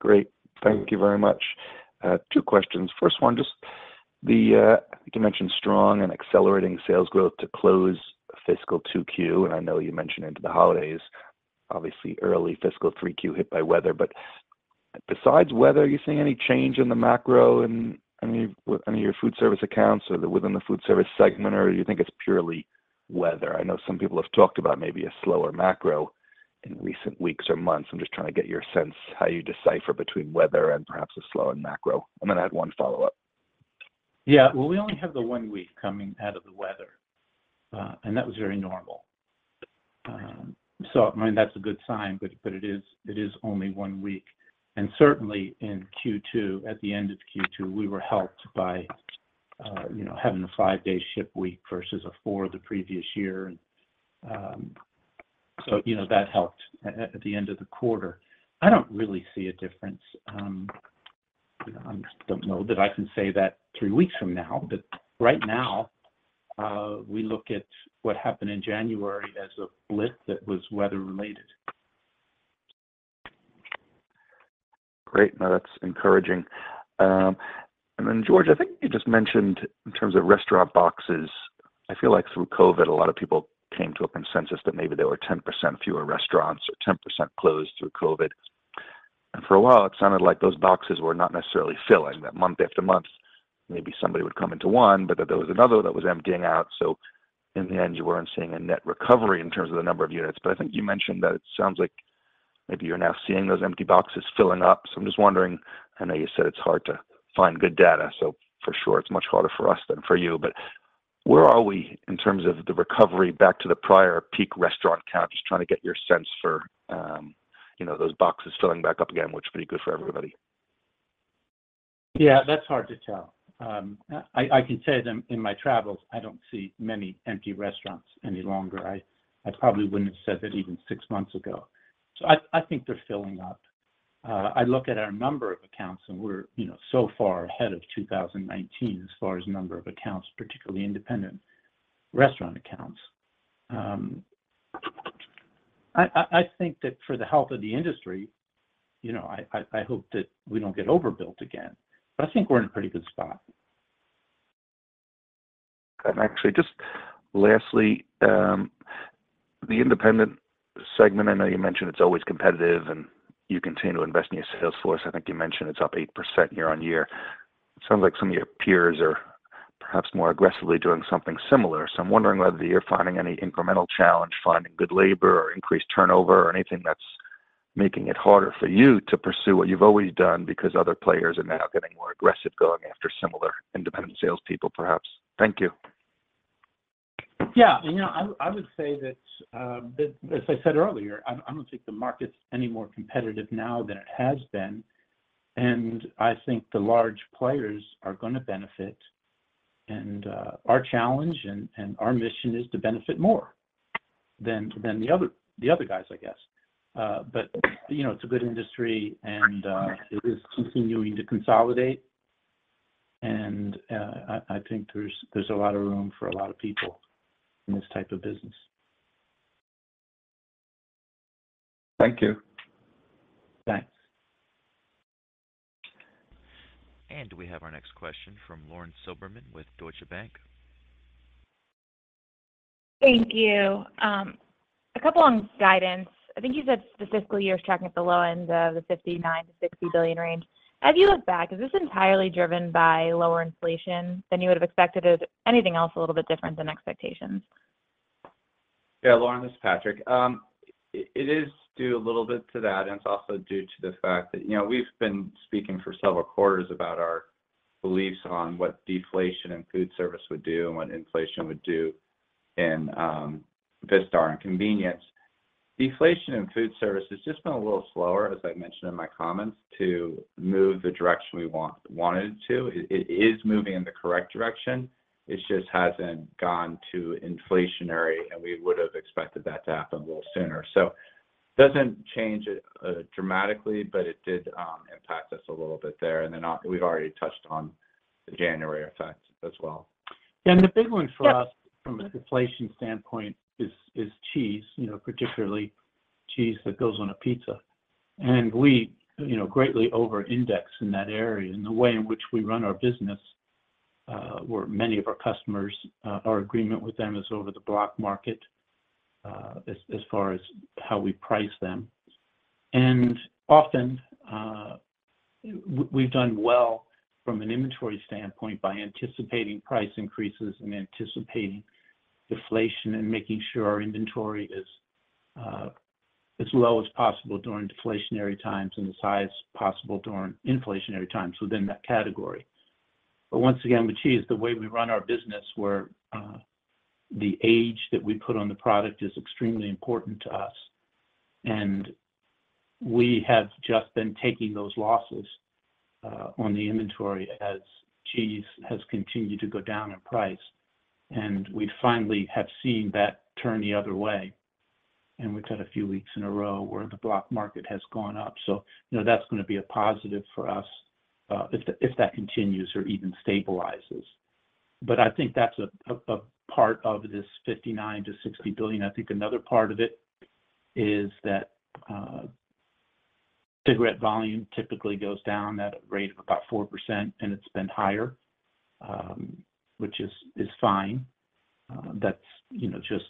[SPEAKER 12] Great. Thank you very much. Two questions. First one, just that you mentioned strong and accelerating sales growth to close fiscal 2Q, and I know you mentioned into the holidays, obviously, early fiscal 3Q hit by weather. But besides weather, are you seeing any change in the macro in any of, any of your food service accounts or within the food service segment, or you think it's purely weather? I know some people have talked about maybe a slower macro in recent weeks or months. I'm just trying to get your sense, how you decipher between weather and perhaps a slowing macro. I'm gonna add one follow-up.
[SPEAKER 3] Yeah. Well, we only have the one week coming out of the weather, and that was very normal. So, I mean, that's a good sign, but, but it is, it is only one week. And certainly, in Q2, at the end of Q2, we were helped by, you know, having a five-day ship week versus a four the previous year. So, you know, that helped at the end of the quarter. I don't really see a difference. I just don't know that I can say that three weeks from now. But right now, we look at what happened in January as a blip that was weather related.
[SPEAKER 12] Great. No, that's encouraging. And then, George, I think you just mentioned in terms of restaurant boxes, I feel like through COVID, a lot of people came to a consensus that maybe there were 10% fewer restaurants or 10% closed through COVID. And for a while, it sounded like those boxes were not necessarily filling, that month after month, maybe somebody would come into one, but that there was another that was emptying out. So in the end, you weren't seeing a net recovery in terms of the number of units. But I think you mentioned that it sounds like maybe you're now seeing those empty boxes filling up. So I'm just wondering, I know you said it's hard to find good data, so for sure it's much harder for us than for you, but where are we in terms of the recovery back to the prior peak restaurant count? Just trying to get your sense for, you know, those boxes filling back up again, which would be good for everybody.
[SPEAKER 3] Yeah, that's hard to tell. I can say that in my travels, I don't see many empty restaurants any longer. I probably wouldn't have said that even six months ago. So I think they're filling up. I look at our number of accounts, and we're, you know, so far ahead of 2019 as far as number of accounts, particularly independent restaurant accounts. I think that for the health of the industry, you know, I hope that we don't get overbuilt again, but I think we're in a pretty good spot.
[SPEAKER 12] And actually, just lastly, the independent segment, I know you mentioned it's always competitive, and you continue to invest in your sales force. I think you mentioned it's up 8% year-over-year. Sounds like some of your peers are perhaps more aggressively doing something similar. So I'm wondering whether you're finding any incremental challenge, finding good labor or increased turnover or anything that's making it harder for you to pursue what you've always done because other players are now getting more aggressive, going after similar independent salespeople, perhaps. Thank you.
[SPEAKER 3] Yeah. You know, I would say that, as I said earlier, I don't think the market's any more competitive now than it has been, and I think the large players are gonna benefit. And, our challenge and our mission is to benefit more than the other guys, I guess. But, you know, it's a good industry, and it is continuing to consolidate. And, I think there's a lot of room for a lot of people in this type of business.
[SPEAKER 12] Thank you.
[SPEAKER 3] Thanks.
[SPEAKER 1] We have our next question from Lauren Silberman with Deutsche Bank.
[SPEAKER 13] Thank you. A couple on guidance. I think you said the fiscal year is tracking at the low end of the $59 billion-$60 billion range. As you look back, is this entirely driven by lower inflation than you would have expected? Is anything else a little bit different than expectations?
[SPEAKER 4] Yeah, Lauren, this is Patrick. It is due a little bit to that, and it's also due to the fact that, you know, we've been speaking for several quarters about our beliefs on what deflation and food service would do and what inflation would do in Vistar and convenience. Deflation in food service has just been a little slower, as I mentioned in my comments, to move the direction we wanted it to. It is moving in the correct direction. It just hasn't gone too inflationary, and we would have expected that to happen a little sooner. So doesn't change it dramatically, but it did impact us a little bit there. And then we've already touched on the January effect as well.
[SPEAKER 3] And the big one for us from a deflation standpoint is cheese, you know, particularly cheese that goes on a pizza. And we, you know, greatly overindex in that area. And the way in which we run our business, where many of our customers, our agreement with them is over the block market, as far as how we price them. And often, we've done well from an inventory standpoint by anticipating price increases and anticipating deflation and making sure our inventory is as low as possible during deflationary times, and as high as possible during inflationary times within that category. But once again, with cheese, the way we run our business, where the age that we put on the product is extremely important to us, and we have just been taking those losses on the inventory as cheese has continued to go down in price. And we finally have seen that turn the other way, and we've had a few weeks in a row where the block market has gone up. So, you know, that's gonna be a positive for us if that continues or even stabilizes. But I think that's a part of this $59 billion-$60 billion. I think another part of it is that cigarette volume typically goes down at a rate of about 4%, and it's been higher, which is fine. That's, you know, just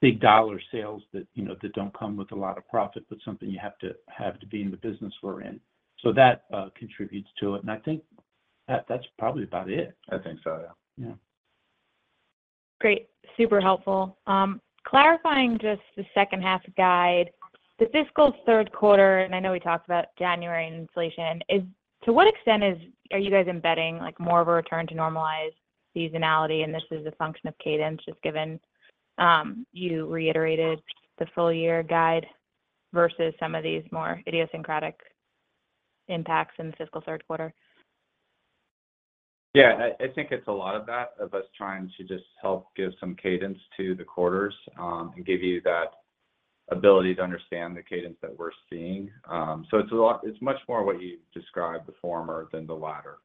[SPEAKER 3] big dollar sales that, you know, that don't come with a lot of profit, but something you have to have to be in the business we're in. So that contributes to it, and I think that that's probably about it.
[SPEAKER 4] I think so, yeah.
[SPEAKER 3] Yeah.
[SPEAKER 13] Great. Super helpful. Clarifying just the second half guide, the fiscal Q3, and I know we talked about January inflation. To what extent are you guys embedding, like, more of a return to normalized seasonality? And this is a function of cadence, just given you reiterated the full year guide versus some of these more idiosyncratic impacts in the fiscal Q3.
[SPEAKER 4] Yeah, I think it's a lot of that, of us trying to just help give some cadence to the quarters, and give you that ability to understand the cadence that we're seeing. So it's a lot. It's much more what you described, the former than the latter.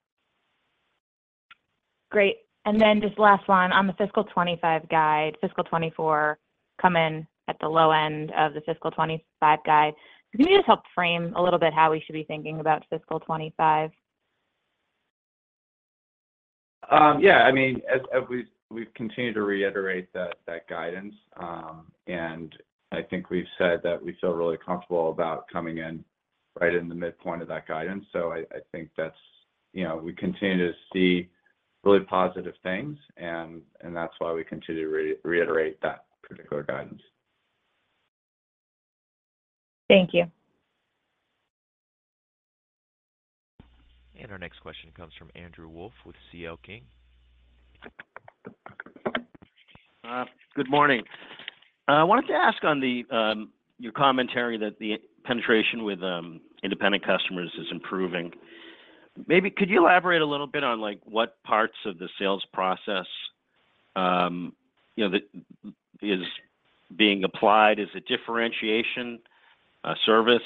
[SPEAKER 13] Great. And then just last one. On the fiscal 25 guide, fiscal 24 come in at the low end of the fiscal 25 guide. Can you just help frame a little bit how we should be thinking about fiscal 25?
[SPEAKER 4] Yeah, I mean, as we've continued to reiterate that guidance, and I think we've said that we feel really comfortable about coming in right in the midpoint of that guidance. So I think that's, you know, we continue to see really positive things, and that's why we continue to reiterate that particular guidance.
[SPEAKER 13] Thank you.
[SPEAKER 1] Our next question comes from Andrew Wolf with CL King.
[SPEAKER 14] Good morning. I wanted to ask on the, your commentary that the penetration with, independent customers is improving. Maybe could you elaborate a little bit on, like, what parts of the sales process, you know, that is being applied as a differentiation, service?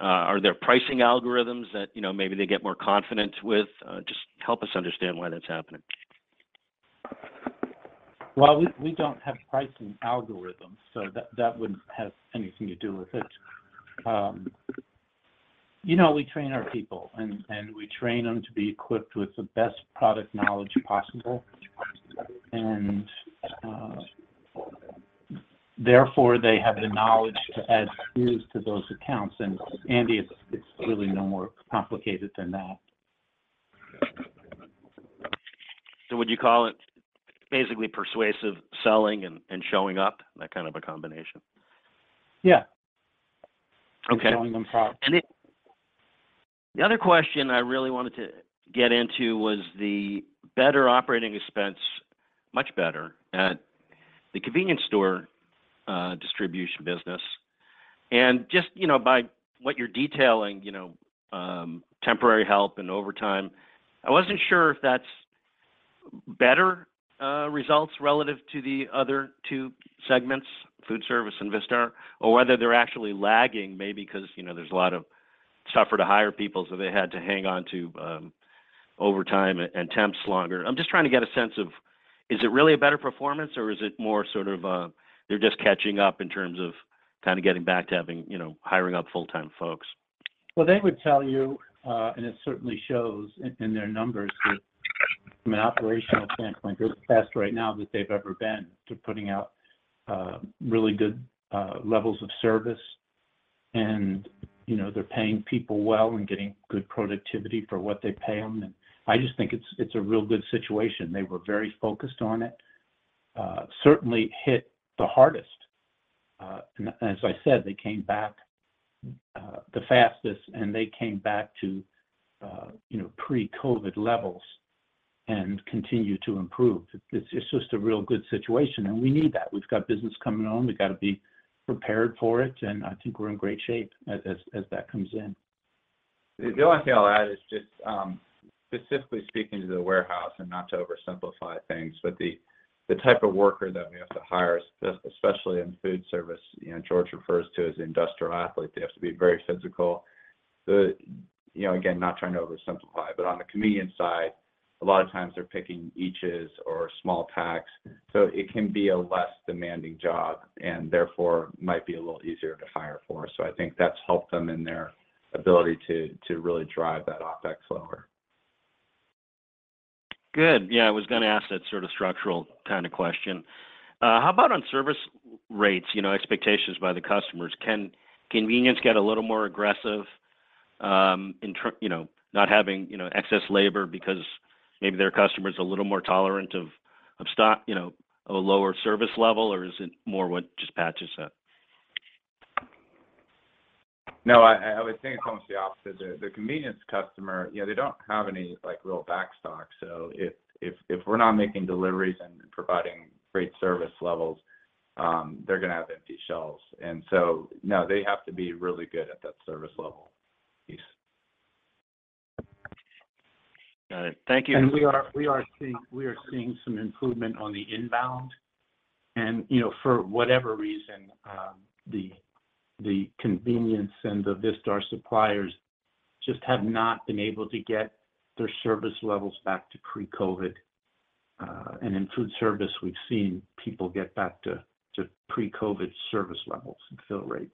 [SPEAKER 14] Are there pricing algorithms that, you know, maybe they get more confident with? Just help us understand why that's happening.
[SPEAKER 3] Well, we don't have pricing algorithms, so that wouldn't have anything to do with it. You know, we train our people and we train them to be equipped with the best product knowledge possible. And therefore, they have the knowledge to add SKUs to those accounts. And Andy, it's really no more complicated than that.
[SPEAKER 14] Would you call it basically persuasive selling and showing up, that kind of a combination?
[SPEAKER 3] Yeah.
[SPEAKER 14] Okay.
[SPEAKER 3] Showing them products.
[SPEAKER 14] And the other question I really wanted to get into was the better operating expense, much better at the convenience store distribution business. And just, you know, by what you're detailing, you know, temporary help and overtime, I wasn't sure if that's better results relative to the other two segments, food service and Vistar, or whether they're actually lagging, maybe 'cause, you know, there's a lot of tougher to hire people, so they had to hang on to overtime and temps longer. I'm just trying to get a sense of, is it really a better performance, or is it more sort of, they're just catching up in terms of kind of getting back to having, you know, hiring up full-time folks?
[SPEAKER 3] Well, they would tell you, and it certainly shows in their numbers, that from an operational standpoint, they're the best right now than they've ever been to putting out really good levels of service. And, you know, they're paying people well and getting good productivity for what they pay them, and I just think it's a real good situation. They were very focused on it. Certainly hit the hardest, and as I said, they came back the fastest, and they came back to you know, pre-COVID levels and continue to improve. It's just a real good situation, and we need that. We've got business coming on. We've got to be prepared for it, and I think we're in great shape as that comes in.
[SPEAKER 4] The only thing I'll add is just, specifically speaking to the warehouse and not to oversimplify things, but the type of worker that we have to hire, especially in food service, you know, George refers to as the industrial athlete. They have to be very physical. You know, again, not trying to oversimplify, but on the convenience side, a lot of times they're picking eaches or small packs, so it can be a less demanding job and therefore might be a little easier to hire for. So I think that's helped them in their ability to really drive that OpEx lower.
[SPEAKER 14] Good. Yeah, I was going to ask that sort of structural kind of question. How about on service rates, you know, expectations by the customers? Can convenience get a little more aggressive in terms, you know, not having, you know, excess labor because maybe their customer is a little more tolerant of stock, you know, a lower service level, or is it more what just patches up?
[SPEAKER 4] No, I would think it's almost the opposite. The convenience customer, you know, they don't have any, like, real backstock. So if we're not making deliveries and providing great service levels, they're going to have empty shelves. And so, no, they have to be really good at that service level piece.
[SPEAKER 14] Got it. Thank you.
[SPEAKER 3] We are seeing some improvement on the inbound. And, you know, for whatever reason, the convenience and the Vistar suppliers just have not been able to get their service levels back to pre-COVID. And in food service, we've seen people get back to pre-COVID service levels and fill rates.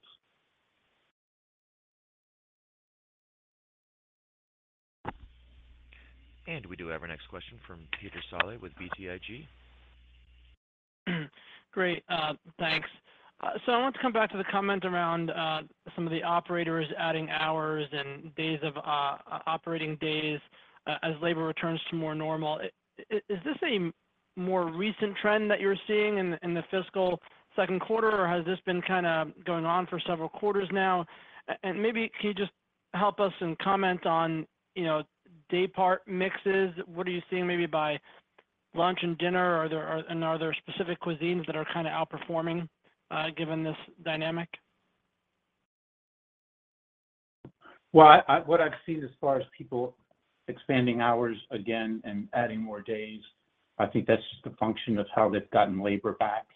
[SPEAKER 1] We do have our next question from Peter Saleh with BTIG.
[SPEAKER 15] Great, thanks. So I want to come back to the comment around some of the operators adding hours and days of operating days as labor returns to more normal. Is this a more recent trend that you're seeing in the fiscal Q2, or has this been kind of going on for several quarters now? And maybe can you just help us comment on, you know, day part mixes? What are you seeing maybe by lunch and dinner, or are there and are there specific cuisines that are kind of outperforming given this dynamic?
[SPEAKER 3] Well, what I've seen as far as people expanding hours again and adding more days, I think that's just a function of how they've gotten labor back,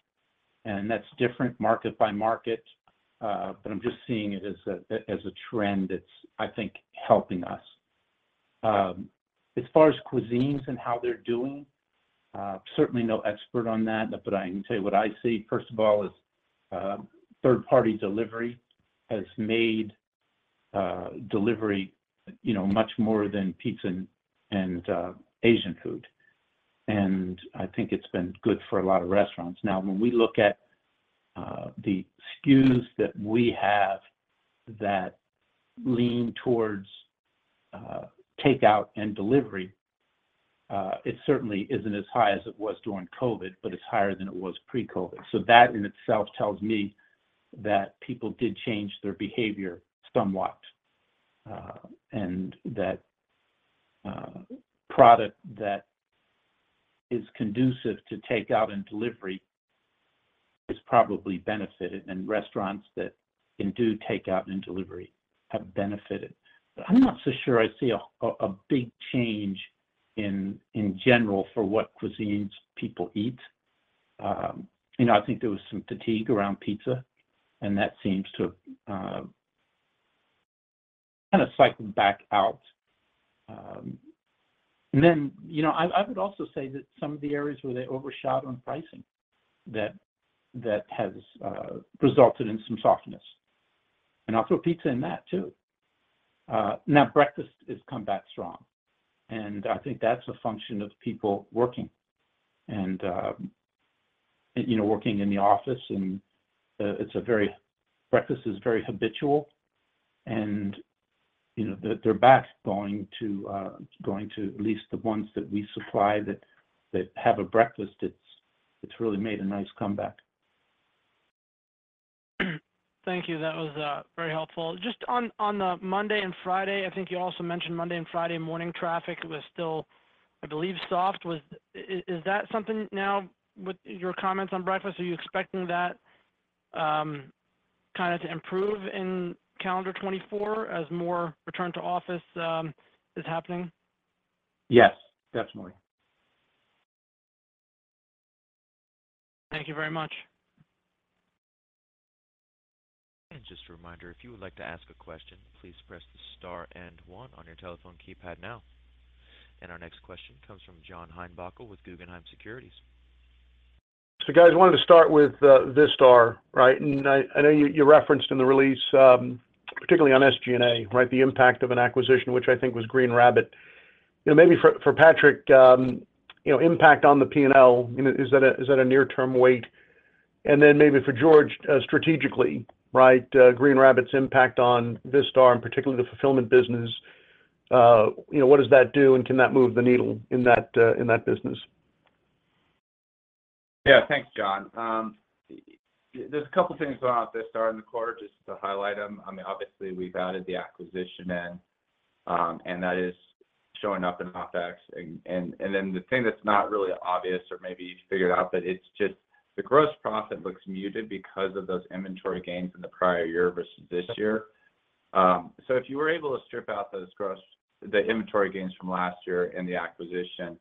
[SPEAKER 3] and that's different market by market. But I'm just seeing it as a trend that's, I think, helping us. As far as cuisines and how they're doing, certainly no expert on that, but I can tell you what I see, first of all, is third-party delivery has made delivery, you know, much more than pizza and Asian food. And I think it's been good for a lot of restaurants. Now, when we look at the SKUs that we have that lean towards takeout and delivery, it certainly isn't as high as it was during COVID, but it's higher than it was pre-COVID. So that in itself tells me that people did change their behavior somewhat and that product that is conducive to take out and delivery has probably benefited, and restaurants that can do takeout and delivery have benefited. But I'm not so sure I see a big change in general for what cuisines people eat. You know, I think there was some fatigue around pizza, and that seems to kind of cycled back out. And then, you know, I would also say that some of the areas where they overshot on pricing, that has resulted in some softness, and I'll throw pizza in that too. Now breakfast has come back strong, and I think that's a function of people working and, you know, working in the office, and it's a very, breakfast is very habitual and, you know, they're back going to at least the ones that we supply that have a breakfast. It's really made a nice comeback.
[SPEAKER 15] Thank you. That was very helpful. Just on the Monday and Friday, I think you also mentioned Monday and Friday morning traffic was still, I believe, soft. Is that something now with your comments on breakfast, are you expecting that kind of to improve in calendar 2024 as more return to office is happening?
[SPEAKER 3] Yes, definitely.
[SPEAKER 15] Thank you very much.
[SPEAKER 1] Just a reminder, if you would like to ask a question, please press the Star and one on your telephone keypad now. Our next question comes from John Heinbockel with Guggenheim Securities.
[SPEAKER 16] So guys, I wanted to start with Vistar, right? And I know you referenced in the release, particularly on SG&A, right? The impact of an acquisition, which I think was Green Rabbit. You know, maybe for Patrick, you know, impact on the P&L, you know, is that a near-term wait? And then maybe for George, strategically, right, Green Rabbit's impact on Vistar and particularly the fulfillment business, you know, what does that do, and can that move the needle in that business?
[SPEAKER 4] Yeah. Thanks, John. There's a couple of things going on at Vistar in the quarter, just to highlight them. I mean, obviously, we've added the acquisition in, and that is showing up in OpEx. Then the thing that's not really obvious, or maybe you've figured out, but it's just the gross profit looks muted because of those inventory gains in the prior year versus this year. So if you were able to strip out those, the inventory gains from last year and the acquisition,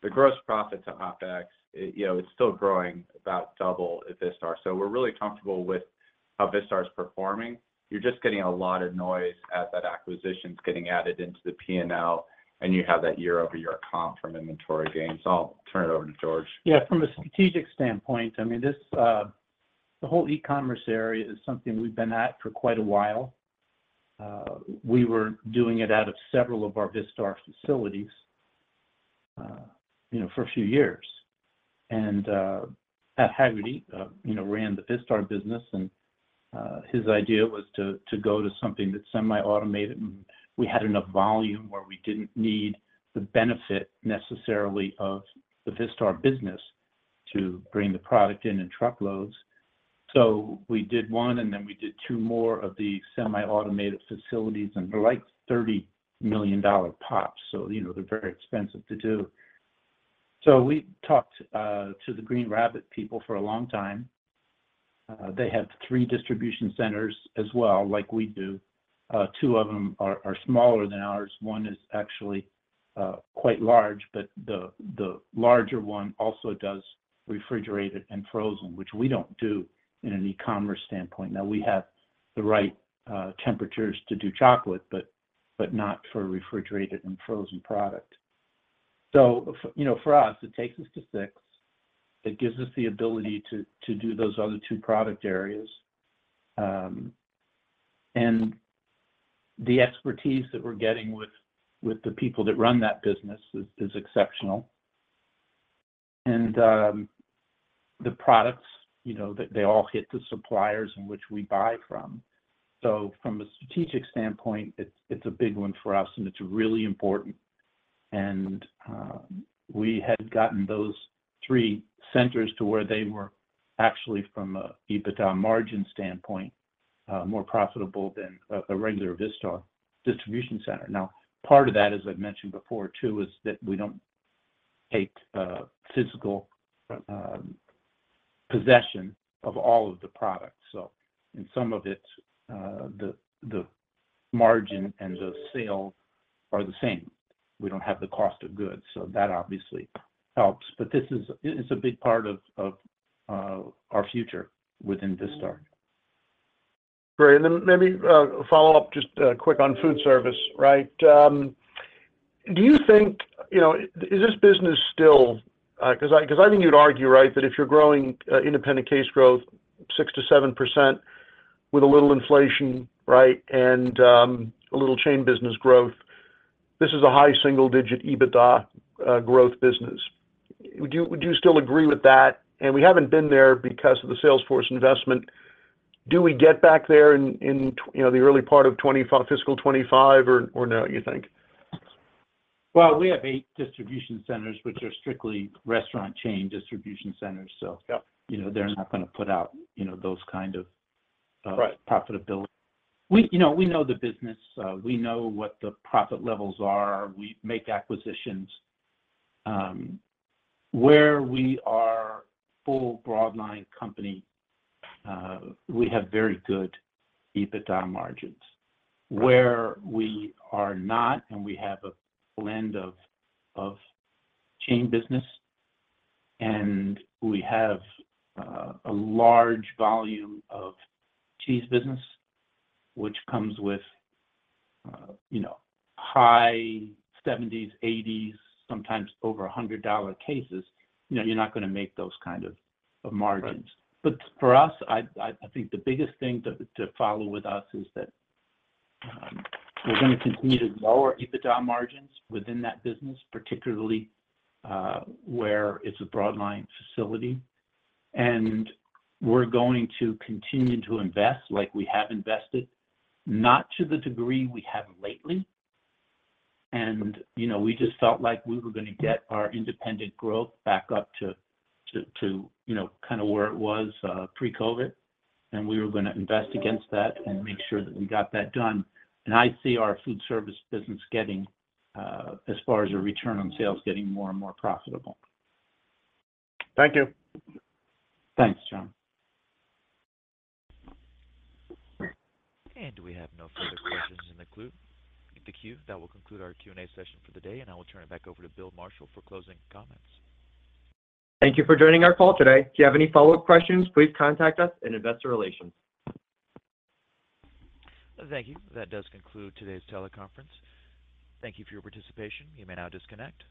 [SPEAKER 4] the gross profit to OpEx, you know, it's still growing about double at Vistar. So we're really comfortable with how Vistar is performing. You're just getting a lot of noise as that acquisition is getting added into the P&L, and you have that year-over-year comp from inventory gains. So I'll turn it over to George.
[SPEAKER 3] Yeah. From a strategic standpoint, I mean, this, the whole e-commerce area is something we've been at for quite a while. We were doing it out of several of our Vistar facilities, you know, for a few years. And, Pat Haggerty, you know, ran the Vistar business, and, his idea was to go to something that's semi-automated, and we had enough volume where we didn't need the benefit necessarily of the Vistar business to bring the product in truckloads. So we did one, and then we did two more of the semi-automated facilities, and they're like $30 million pops. So you know, they're very expensive to do. So we talked to the Green Rabbit people for a long time. They have 3 distribution centers as well, like we do. Two of them are smaller than ours. One is actually quite large, but the larger one also does refrigerated and frozen, which we don't do in an e-commerce standpoint. Now, we have the right temperatures to do chocolate, but not for refrigerated and frozen product. So for, you know, for us, it takes us to six. It gives us the ability to do those other two product areas. And the expertise that we're getting with the people that run that business is exceptional. And the products, you know, they all hit the suppliers in which we buy from. So from a strategic standpoint, it's a big one for us, and it's really important. And we had gotten those three centers to where they were actually from an EBITDA margin standpoint more profitable than a regular Vistar distribution center. Now, part of that, as I've mentioned before, too, is that we don't take physical possession of all of the products. So in some of it, the margin and the sale are the same. We don't have the cost of goods, so that obviously helps. But this is, it's a big part of our future within Vistar.
[SPEAKER 16] Great. And then maybe, follow up just, quick on food service, right? Do you think, you know, is this business still, 'cause I, 'cause I think you'd argue, right, that if you're growing, independent case growth 6%-7% with a little inflation, right, and, a little chain business growth, this is a high single-digit EBITDA, growth business. Would you, would you still agree with that? And we haven't been there because of the sales force investment. Do we get back there in, you know, the early part of 2025, fiscal 2025 or, or no, you think?
[SPEAKER 3] Well, we have eight distribution centers, which are strictly restaurant chain distribution centers. So-
[SPEAKER 4] Yep.
[SPEAKER 3] you know, they're not going to put out, you know, those kind of-
[SPEAKER 4] Right <crosstalk> - profitability.
[SPEAKER 3] We, you know, we know the business, we know what the profit levels are. We make acquisitions, where we are full broadline company, we have very good EBITDA margins. Where we are not, and we have a blend of, of chain business, and we have, a large volume of cheese business, which comes with, you know, high $70s, $80s, sometimes over $100 cases, you know, you're not going to make those kind of, of margins.
[SPEAKER 16] Right.
[SPEAKER 3] But for us, I think the biggest thing to follow with us is that we're going to continue to lower EBITDA margins within that business, particularly where it's a broadline facility. And we're going to continue to invest like we have invested, not to the degree we have lately. And, you know, we just felt like we were going to get our independent growth back up to you know, kind of where it was pre-COVID, and we were going to invest against that and make sure that we got that done. And I see our food service business getting, as far as a return on sales, getting more and more profitable.
[SPEAKER 16] Thank you.
[SPEAKER 3] Thanks, John.
[SPEAKER 1] We have no further questions in the queue. That will conclude our Q&A session for the day, and I will turn it back over to Bill Marshall for closing comments.
[SPEAKER 2] Thank you for joining our call today. If you have any follow-up questions, please contact us in Investor Relations.
[SPEAKER 1] Thank you. That does conclude today's teleconference. Thank you for your participation. You may now disconnect.